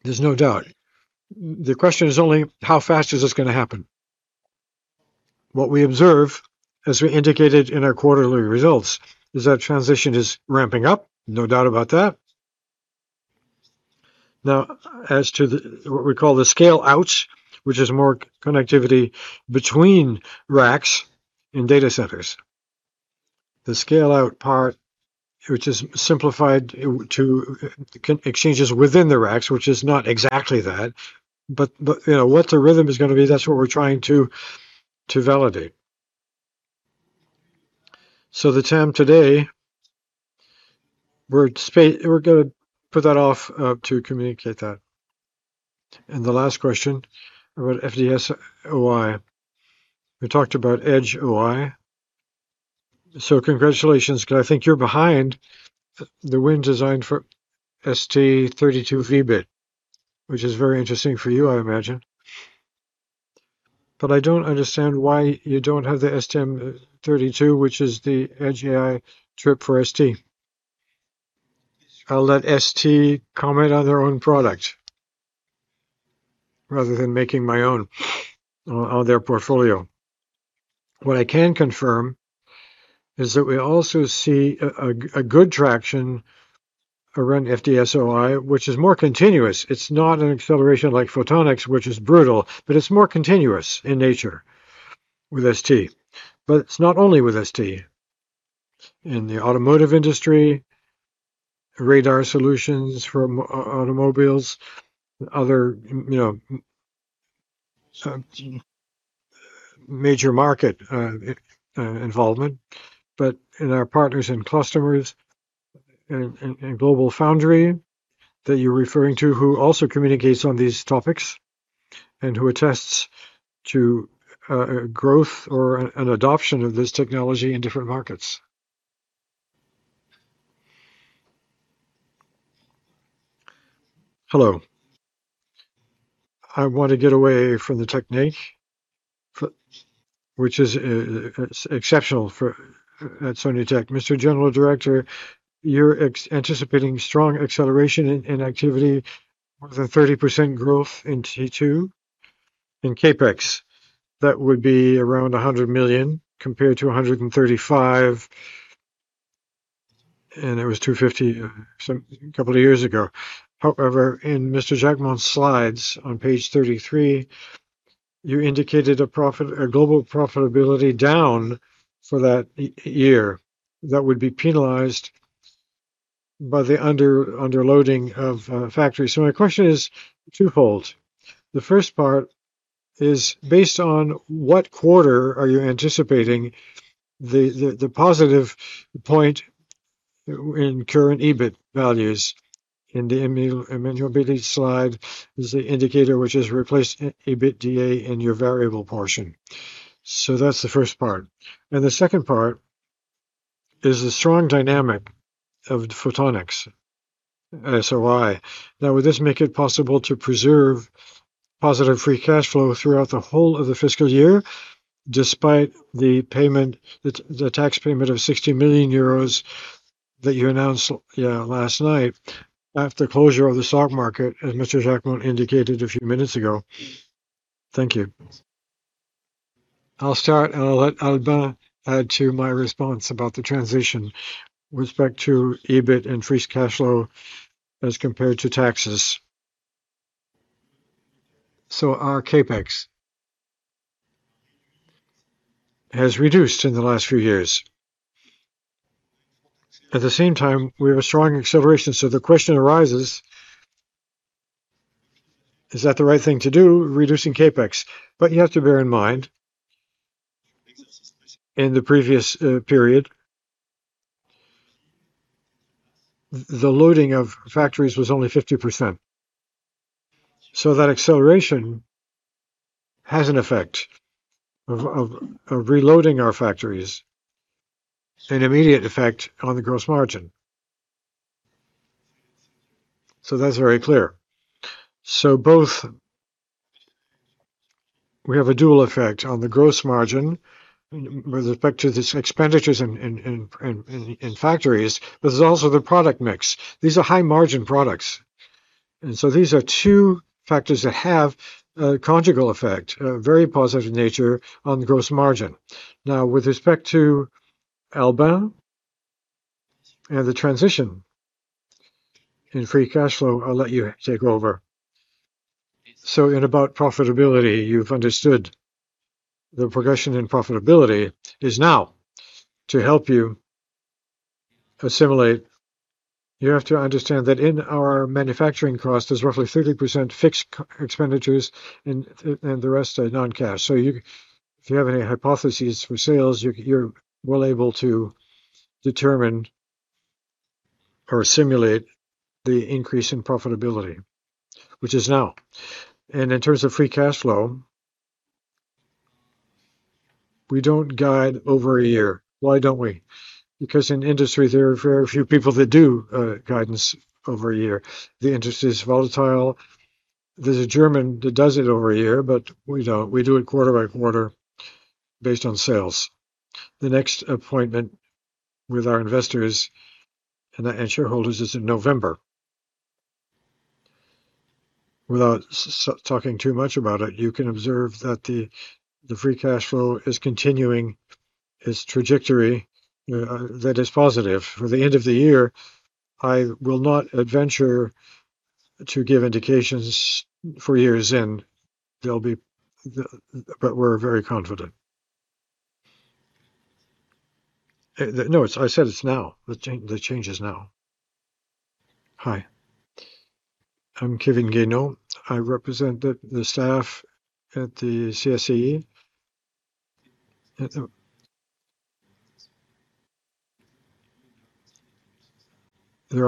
S3: There's no doubt. The question is only how fast is this going to happen? What we observe, as we indicated in our quarterly results, is that transition is ramping up. No doubt about that. As to what we call the scale-out, which is more connectivity between racks in data centers. The scale-out part, which is simplified to exchanges within the racks, which is not exactly that, what the rhythm is going to be, that's what we're trying to validate. The TAM today, we're going to put that off to communicate that.
S9: The last question about FD-SOI. We talked about edge AI. Congratulations, because I think you're behind the win design for STM32, which is very interesting for you, I imagine. I don't understand why you don't have the STM32, which is the edge AI chip for ST.
S3: I'll let ST comment on their own product rather than making my own on their portfolio. What I can confirm is that we also see a good traction around FD-SOI, which is more continuous. It's not an acceleration like Photonics, which is brutal, but it's more continuous in nature with ST. It's not only with ST. In the automotive industry, radar solutions for automobiles, other major market involvement. In our partners and customers and GlobalFoundries that you're referring to, who also communicates on these topics and who attests to growth or an adoption of this technology in different markets.
S10: Hello. I want to get away from the technique, which is exceptional at Soitec. Mr. General Director, you're anticipating strong acceleration in activity, more than 30% growth in T2, in CapEx. That would be around 100 million compared to 135 million, and it was 250 million a couple of years ago. However, in Mr. Jacquemont's slides on page 33, you indicated a global profitability down for that year that would be penalized by the underloading of factories. My question is twofold. The first part is, based on what quarter are you anticipating the positive point in current EBIT values? In the profitability slide is the indicator which has replaced EBITDA in your variable portion. That's the first part. The second part is the strong dynamic of Photonics-SOI. Now, would this make it possible to preserve positive free cash flow throughout the whole of the fiscal year, despite the tax payment of 60 million euros that you announced last night after closure of the stock market, as Mr. Jacquemont indicated a few minutes ago? Thank you.
S3: I'll start, and I'll let Albin add to my response about the transition with respect to EBIT and free cash flow as compared to taxes. Our CapEx has reduced in the last few years. At the same time, we have a strong acceleration. The question arises, is that the right thing to do, reducing CapEx? You have to bear in mind, in the previous period, the loading of factories was only 50%. That acceleration has an effect of reloading our factories, an immediate effect on the gross margin. That's very clear. Both, we have a dual effect on the gross margin with respect to these expenditures in factories, but there's also the product mix. These are high-margin products. These are two factors that have a conjugate effect, a very positive nature on the gross margin. Now, with respect to Albin and the transition in free cash flow, I'll let you take over.
S4: In about profitability, you've understood the progression in profitability is now. To help you assimilate, you have to understand that in our manufacturing cost, there's roughly 30% fixed expenditures and the rest are non-cash. If you have any hypotheses for sales, you're well able to determine or simulate the increase in profitability, which is now. In terms of free cash flow, we don't guide over a year. Why don't we? Because in industry, there are very few people that do guidance over a year. The industry is volatile. There's a German that does it over a year, but we don't. We do it quarter by quarter based on sales. The next appointment with our investors and shareholders is in November. Without talking too much about it, you can observe that the free cash flow is continuing its trajectory that is positive. For the end of the year, I will not adventure to give indications for years in, but we're very confident. No, I said it's now. The change is now.
S11: Hi. I'm [Kevin Guéneau]. I represent the staff at the CSE. There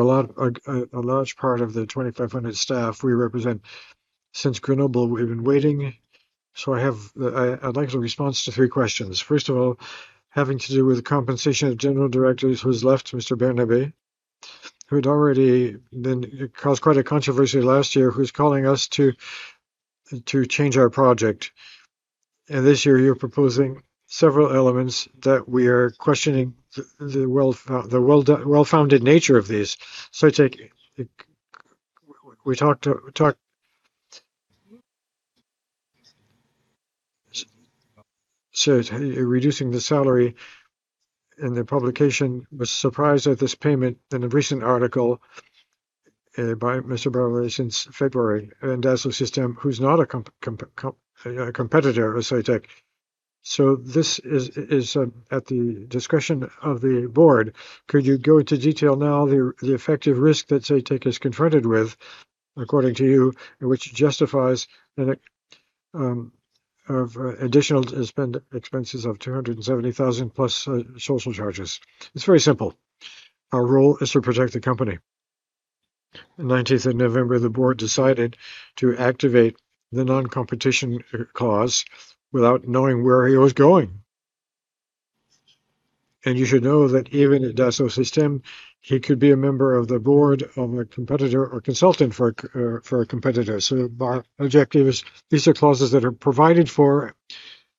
S11: are a large part of the 2,500 staff we represent. Since Grenoble, we've been waiting, so I'd like a response to three questions. First of all, having to do with the compensation of general directors who's left, Mr. Barnabé, who'd already caused quite a controversy last year, who's calling us to change our project. This year you're proposing several elements that we are questioning the well-founded nature of these. Reducing the salary and the publication was surprised at this payment in a recent article by Mr. Barnabé since February, Dassault Systèmes, who's not a competitor of Soitec. This is at the discretion of the Board. Could you go into detail now the effective risk that Soitec is confronted with, according to you, which justifies additional expenses of 270,000 plus social charges?
S1: It's very simple. Our role is to protect the company. On 19th of November, the Board decided to activate the non-competition clause without knowing where he was going. You should know that even at Dassault Systèmes, he could be a member of the Board of a competitor or consultant for a competitor. Our objective is these are clauses that are provided for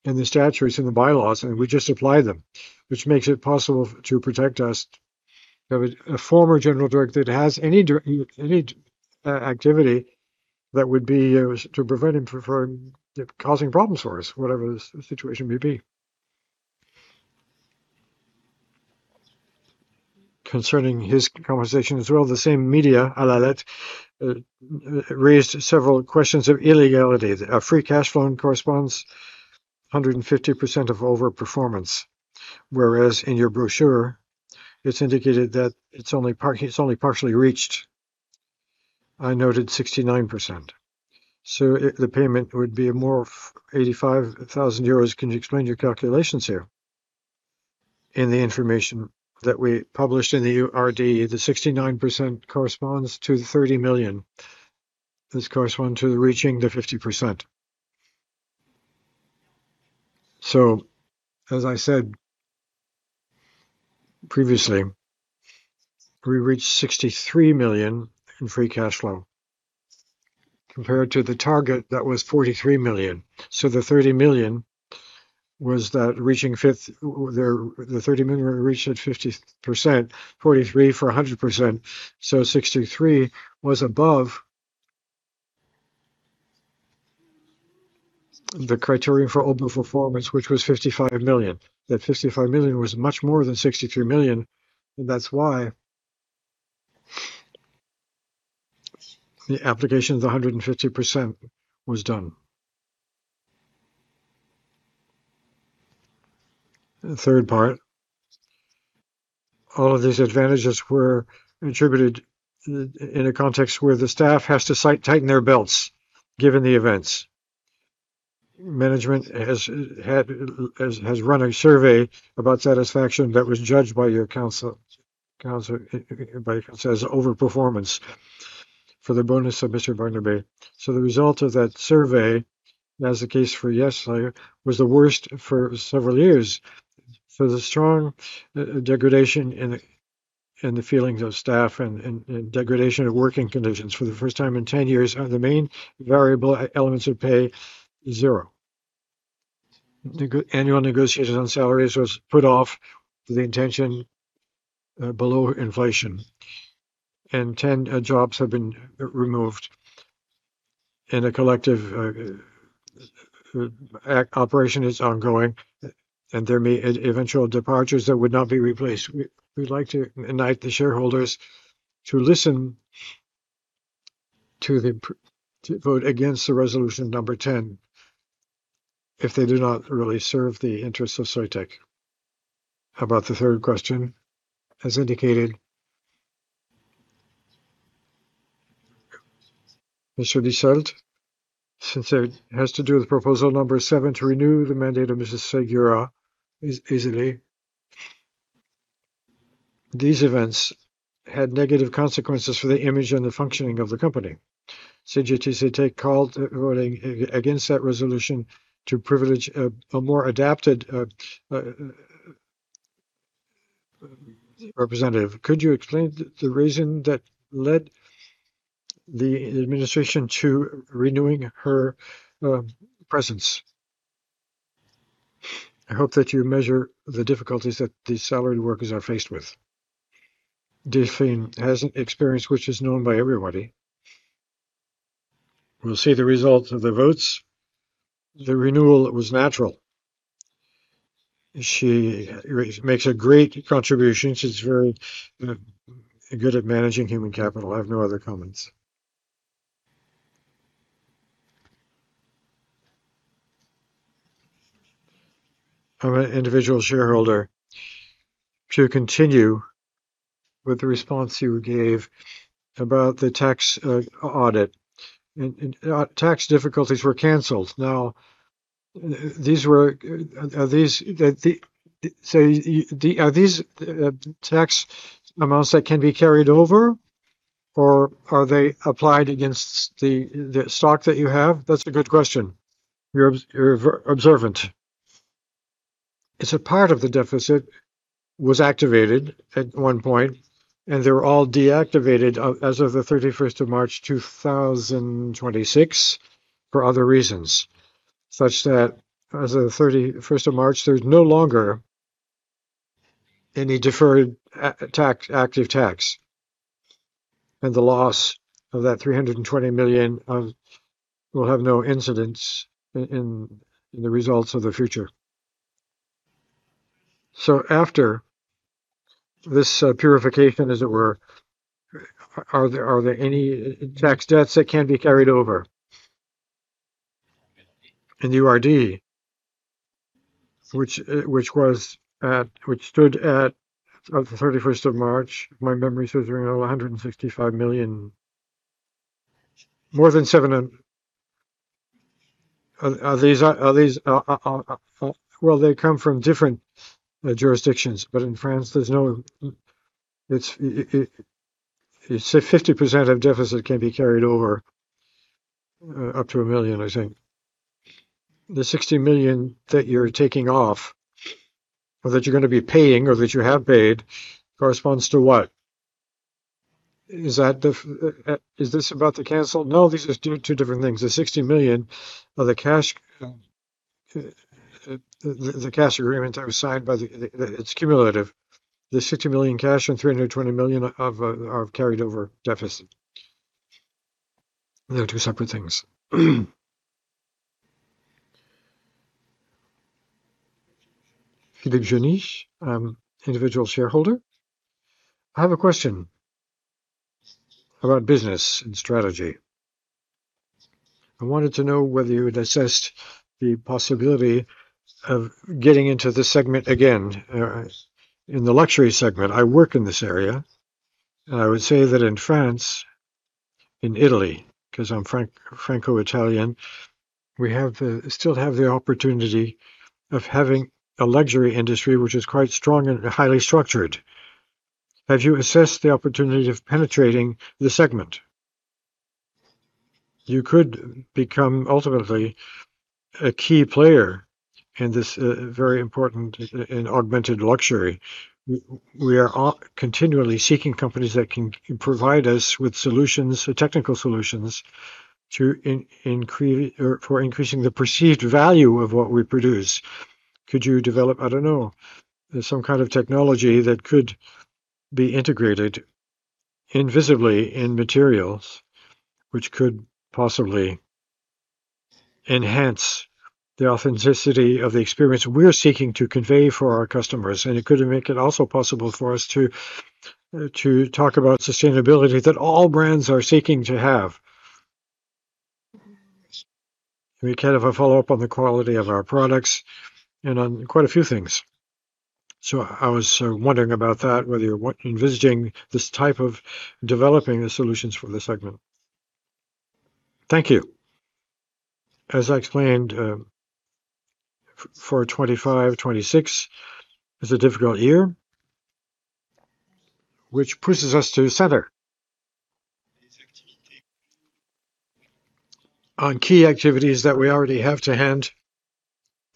S1: in the statutes, in the bylaws, and we just apply them, which makes it possible to protect us. A former general director that has any activity that would be to prevent him from causing problems for us, whatever the situation may be.
S11: Concerning his conversation as well, the same media, La Lettre, raised several questions of illegality. A free cash flow corresponds 150% of over-performance, whereas in your brochure, it's indicated that it's only partially reached. I noted 69%. The payment would be more 85,000 euros. Can you explain your calculations here?
S2: In the information that we published in the URD, the 69% corresponds to the 30 million. This corresponds to reaching the 50%. As I said previously, we reached 63 million in free cash flow compared to the target that was 43 million. The 30 million reached at 50%, 43 million for 100%, so 63 million was above the criterion for over-performance, which was 55 million. That 55 million was much more than 63 million, that's why the application of the 150% was done.
S11: The third part, all of these advantages were attributed in a context where the staff has to tighten their belts, given the events. Management has run a survey about satisfaction that was judged by your council as over-performance for the bonus of Mr. Barnabé. The result of that survey, as the case for yes, was the worst for several years. The strong degradation in the feelings of staff and degradation of working conditions for the first time in 10 years are the main variable elements of pay, zero. Annual negotiations on salaries was put off the intention below inflation, 10 jobs have been removed, a collective operation is ongoing, eventual departures that would not be replaced. We'd like to invite the shareholders to vote against the resolution number 10 if they do not really serve the interests of Soitec. About the third question, as indicated? Mr. Lissalde, since it has to do with proposal number seven to renew the mandate of Mrs. Segura, these events had negative consequences for the image and the functioning of the company. CGT Soitec called voting against that resolution to privilege a more adapted representative. Could you explain the reason that led the administration to renewing her presence? I hope that you measure the difficulties that these salaried workers are faced with.
S1: Delphine has an experience which is known by everybody. We'll see the results of the votes. The renewal was natural. She makes a great contribution. She's very good at managing human capital. I have no other comments.
S12: I'm an individual shareholder. To continue with the response you gave about the tax audit, tax difficulties were canceled. Now, are these tax amounts that can be carried over or are they applied against the stock that you have?
S4: That's a good question. You're observant. Part of the deficit was activated at one point, and they were all deactivated as of the 31st of March 2026 for other reasons, such that as of the 31st of March, there's no longer any deferred active tax. The loss of that 320 million will have no incidence in the results of the future.
S12: After this purification, as it were, are there any tax debts that can be carried over?
S4: URD, which stood at the 31st of March, my memory says around 165 million. Well, they come from different jurisdictions, but in France, 50% of deficit can be carried over, up to 1 million, I think.
S12: The 60 million that you're taking off or that you're going to be paying or that you have paid corresponds to what? Is this about to cancel?
S4: No, these are two different things. The 60 million of the cash agreement that was signed, it's cumulative. The 60 million cash and 320 million are carried over deficit. They're two separate things.
S13: [Philippe Geniche], individual shareholder. I have a question about business and strategy. I wanted to know whether you had assessed the possibility of getting into this segment again. In the luxury segment, I work in this area, and I would say that in France, in Italy, because I'm Franco-Italian, we still have the opportunity of having a luxury industry which is quite strong and highly structured. Have you assessed the opportunity of penetrating the segment? You could become ultimately a key player in this very important and augmented luxury. We are continually seeking companies that can provide us with technical solutions for increasing the perceived value of what we produce. Could you develop, I don't know, some kind of technology that could be integrated invisibly in materials, which could possibly enhance the authenticity of the experience we're seeking to convey for our customers? It could make it also possible for us to talk about sustainability that all brands are seeking to have. We can have a follow-up on the quality of our products and on quite a few things. I was wondering about that, whether you're envisaging this type of developing the solutions for this segment. Thank you.
S3: As I explained, for 2025-2026 is a difficult year, which pushes us to center on key activities that we already have to hand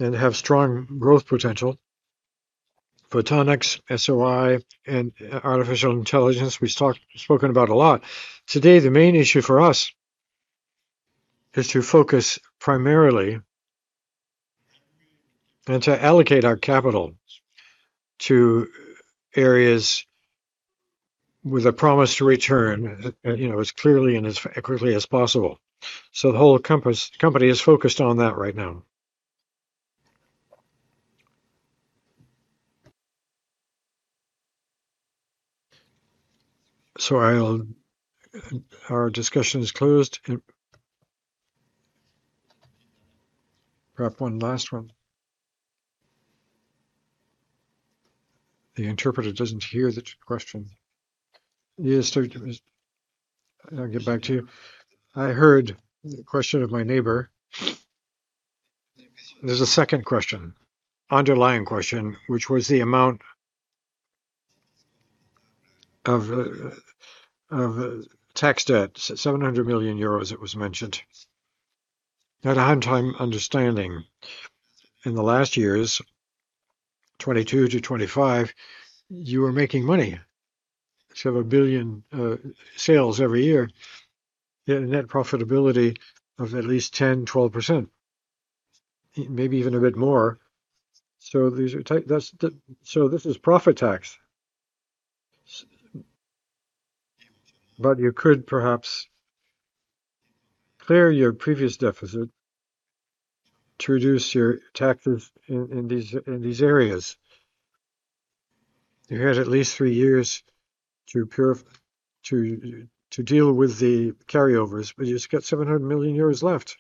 S3: and have strong growth potential. Photonics-SOI and artificial intelligence, we've spoken about a lot. Today, the main issue for us is to focus primarily and to allocate our capital to areas with a promise to return as clearly and as quickly as possible. The whole company is focused on that right now.
S7: Our discussion is closed. Perhaps one last one.
S14: The interpreter doesn't hear the question. Yes, I'll get back to you. I heard the question of my neighbor. There's a second question, underlying question, which was the amount of tax debt, 700 million euros it was mentioned. At one time understanding, in the last years, 2022 to 2025, you were making money. 7 billion sales every year. You had a net profitability of at least 10%, 12%, maybe even a bit more. This is profit tax. You could perhaps clear your previous deficit to reduce your taxes in these areas. You had at least three years to deal with the carryovers, but you just got 700 million euros left.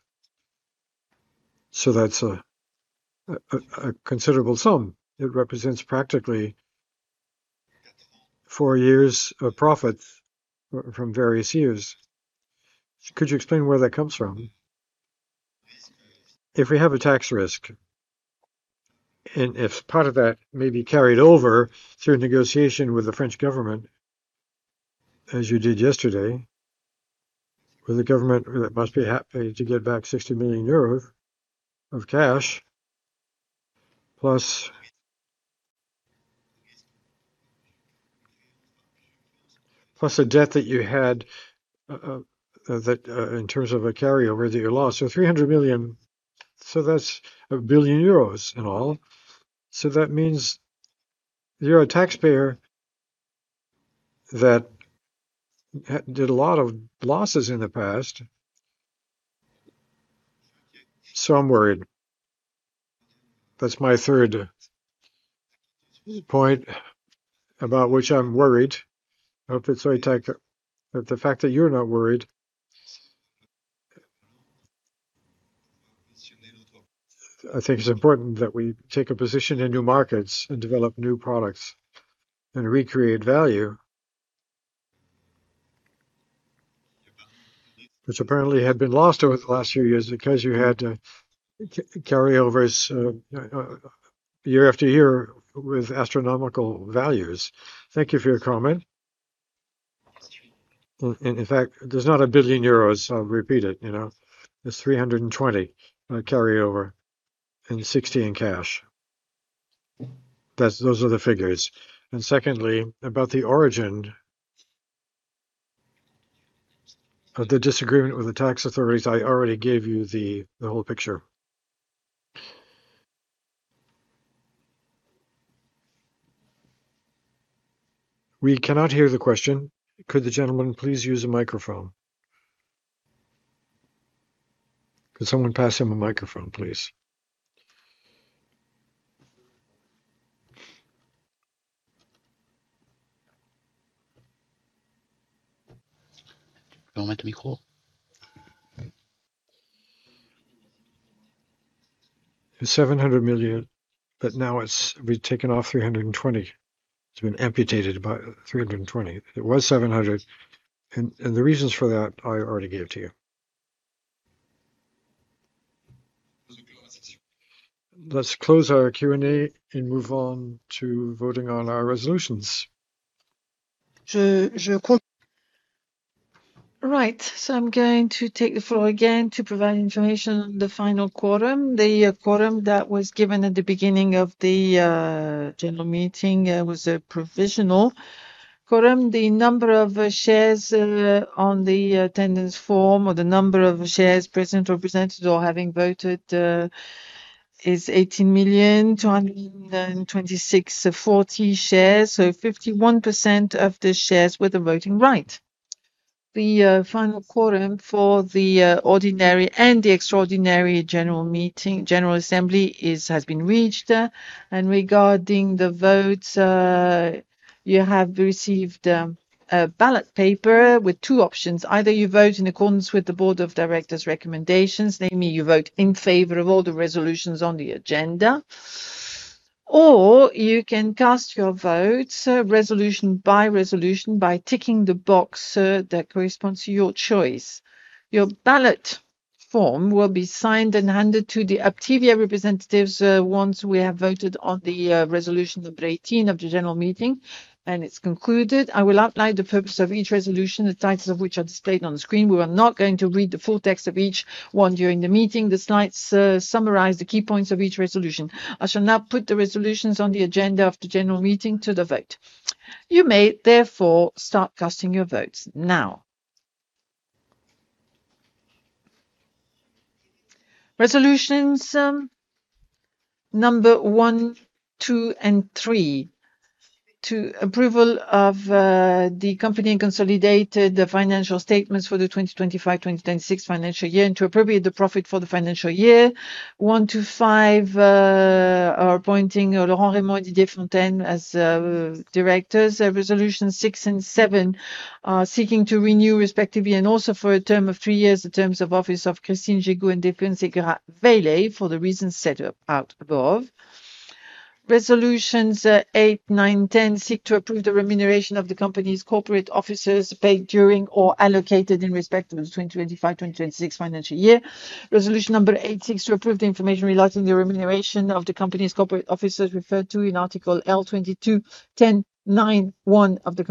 S14: That's a considerable sum. It represents practically four years of profits from various years. Could you explain where that comes from? If we have a tax risk, if part of that may be carried over through negotiation with the French government, as you did yesterday, with a government that must be happy to get back 60 million euros of cash, plus a debt that you had in terms of a carryover that you lost. 300 million. That's 1 billion euros in all. That means you're a taxpayer that did a lot of losses in the past. I'm worried. That's my third point, about which I'm worried. If it's Soitec The fact that you're not worried, I think it's important that we take a position in new markets and develop new products and recreate value, which apparently had been lost over the last few years because you had to carryovers year after year with astronomical values.
S4: Thank you for your comment. In fact, there's not 1 billion euros, I'll repeat it. There's 320 million carryover and 60 million in cash. Those are the figures. Secondly, about the origin of the disagreement with the tax authorities, I already gave you the whole picture.
S7: We cannot hear the question. Could the gentleman please use a microphone? Could someone pass him a microphone, please?
S4: It was 700 million, now we've taken off 320 million. It's been amputated by 320 million. It was 700 million, the reasons for that I already gave to you.
S7: Let's close our Q&A and move on to voting on our resolutions.
S2: I'm going to take the floor again to provide information on the final quorum. The quorum that was given at the beginning of the general meeting was a provisional quorum. The number of shares on the attendance form, or the number of shares present or presented or having voted is 18,000,226.40 shares. 51% of the shares with a voting right. The final quorum for the ordinary and the extraordinary general assembly has been reached. Regarding the votes, you have received a ballot paper with two options. Either you vote in accordance with the Board of Directors' recommendations, namely you vote in favor of all the resolutions on the agenda, or you can cast your votes resolution by resolution by ticking the box that corresponds to your choice. Your ballot form will be signed and handed to the Uptevia representatives once we have voted on the resolution number 18 of the general meeting, it's concluded. I will outline the purpose of each resolution, the titles of which are displayed on the screen. We are not going to read the full text of each one during the meeting. The slides summarize the key points of each resolution. I shall now put the resolutions on the agenda of the general meeting to the vote. You may therefore start casting your votes now. Resolutions number one, two, and three. To approval of the company consolidated financial statements for the 2025-2026 financial year, to appropriate the profit for the financial year. One to five are appointing Laurent Rémont and Didier Fontaine as directors. Resolutions six and seven are seeking to renew, respectively, also for a term of three years, the terms of office of Christophe Gégout and Delphine Segura Vaylet for the reasons set out above. Resolutions eight, nine, 10 seek to approve the remuneration of the company's corporate officers paid during or allocated in respect of the 2025-2026 financial year. Resolution number eight seeks to approve the information relating to the remuneration of the company's corporate officers referred to in Article L22-10-9, 1 of the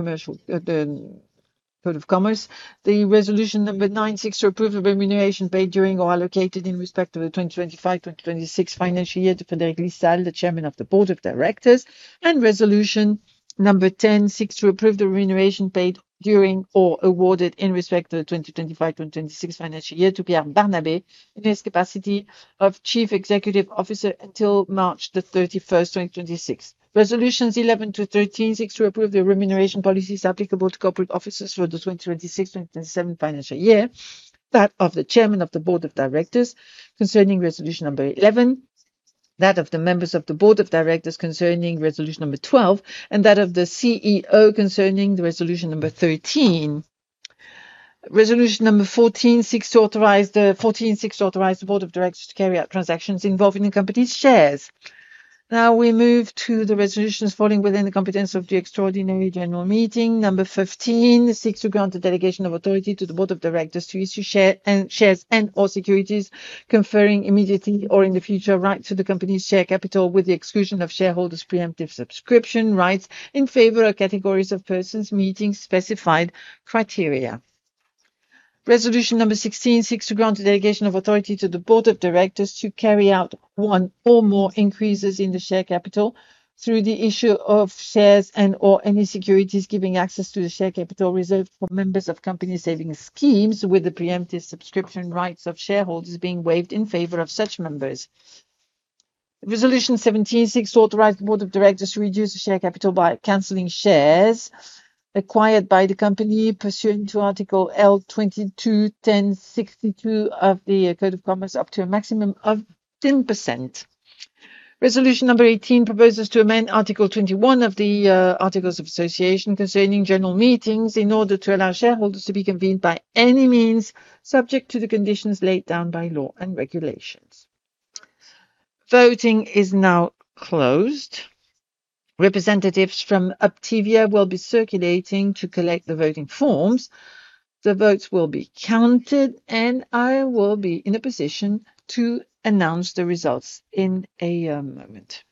S2: Code of Commerce. Resolution number nine seeks to approve a remuneration paid during or allocated in respect of the 2025-2026 financial year to Frédéric Lissalde, the Chairman of the Board of Directors. Resolution number 10 seeks to approve the remuneration paid during or awarded in respect of the 2025-2026 financial year to Pierre Barnabé in his capacity of Chief Executive Officer until March 31st, 2026. Resolutions 11 to 13 seeks to approve the remuneration policies applicable to corporate officers for the 2026-2027 financial year. That of the Chairman of the Board of Directors concerning resolution number 11, that of the members of the Board of Directors concerning resolution number 12, that of the CEO concerning resolution number 13. Resolution number 14 seeks to authorize the Board of Directors to carry out transactions involving the company's shares. We move to the resolutions falling within the competence of the extraordinary general meeting. Number 15 seeks to grant a delegation of authority to the Board of Directors to issue shares and/or securities conferring immediately or in the future, rights to the company's share capital with the exclusion of shareholders' preemptive subscription rights in favor of categories of persons meeting specified criteria. Resolution number 16 seeks to grant a delegation of authority to the Board of Directors to carry out one or more increases in the share capital through the issue of shares and/or any securities giving access to the share capital reserved for members of company savings schemes with the preemptive subscription rights of shareholders being waived in favor of such members. Resolution 17 seeks to authorize the Board of Directors to reduce the share capital by canceling shares acquired by the company pursuant to Article L22-10-62 of the Code of Commerce, up to a maximum of 10%. Resolution number 18 proposes to amend Article 21 of the Articles of Association concerning general meetings in order to allow shareholders to be convened by any means subject to the conditions laid down by law and regulations. Voting is now closed. Representatives from Uptevia will be circulating to collect the voting forms. The votes will be counted. I will be in a position to announce the results in a moment.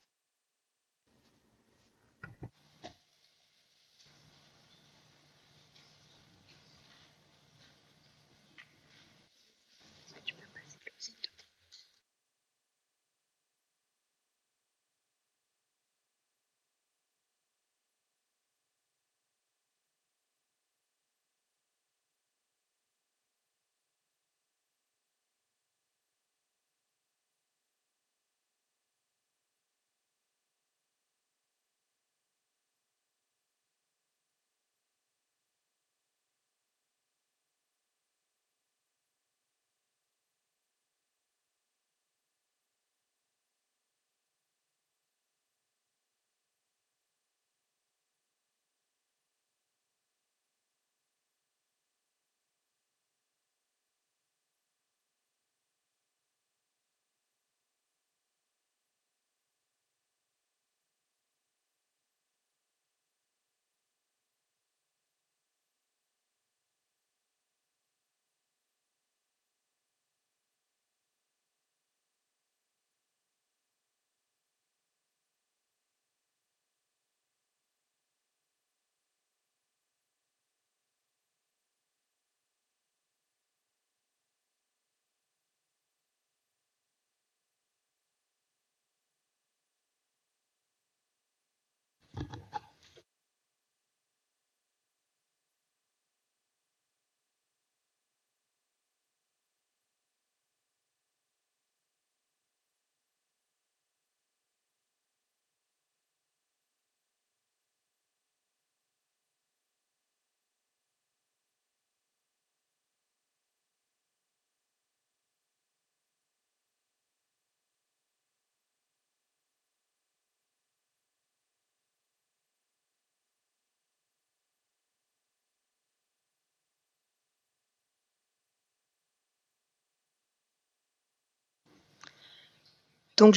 S2: I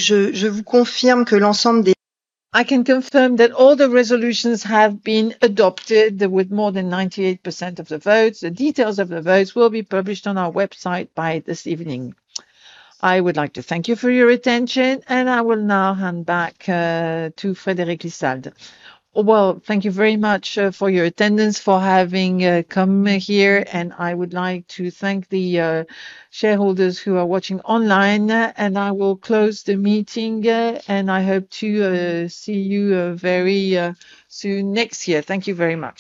S2: can confirm that all the resolutions have been adopted with more than 98% of the votes. The details of the votes will be published on our website by this evening. I would like to thank you for your attention. I will now hand back to Frédéric Lissalde.
S1: Thank you very much for your attendance, for having come here. I would like to thank the shareholders who are watching online. I will close the meeting. I hope to see you very soon next year. Thank you very much.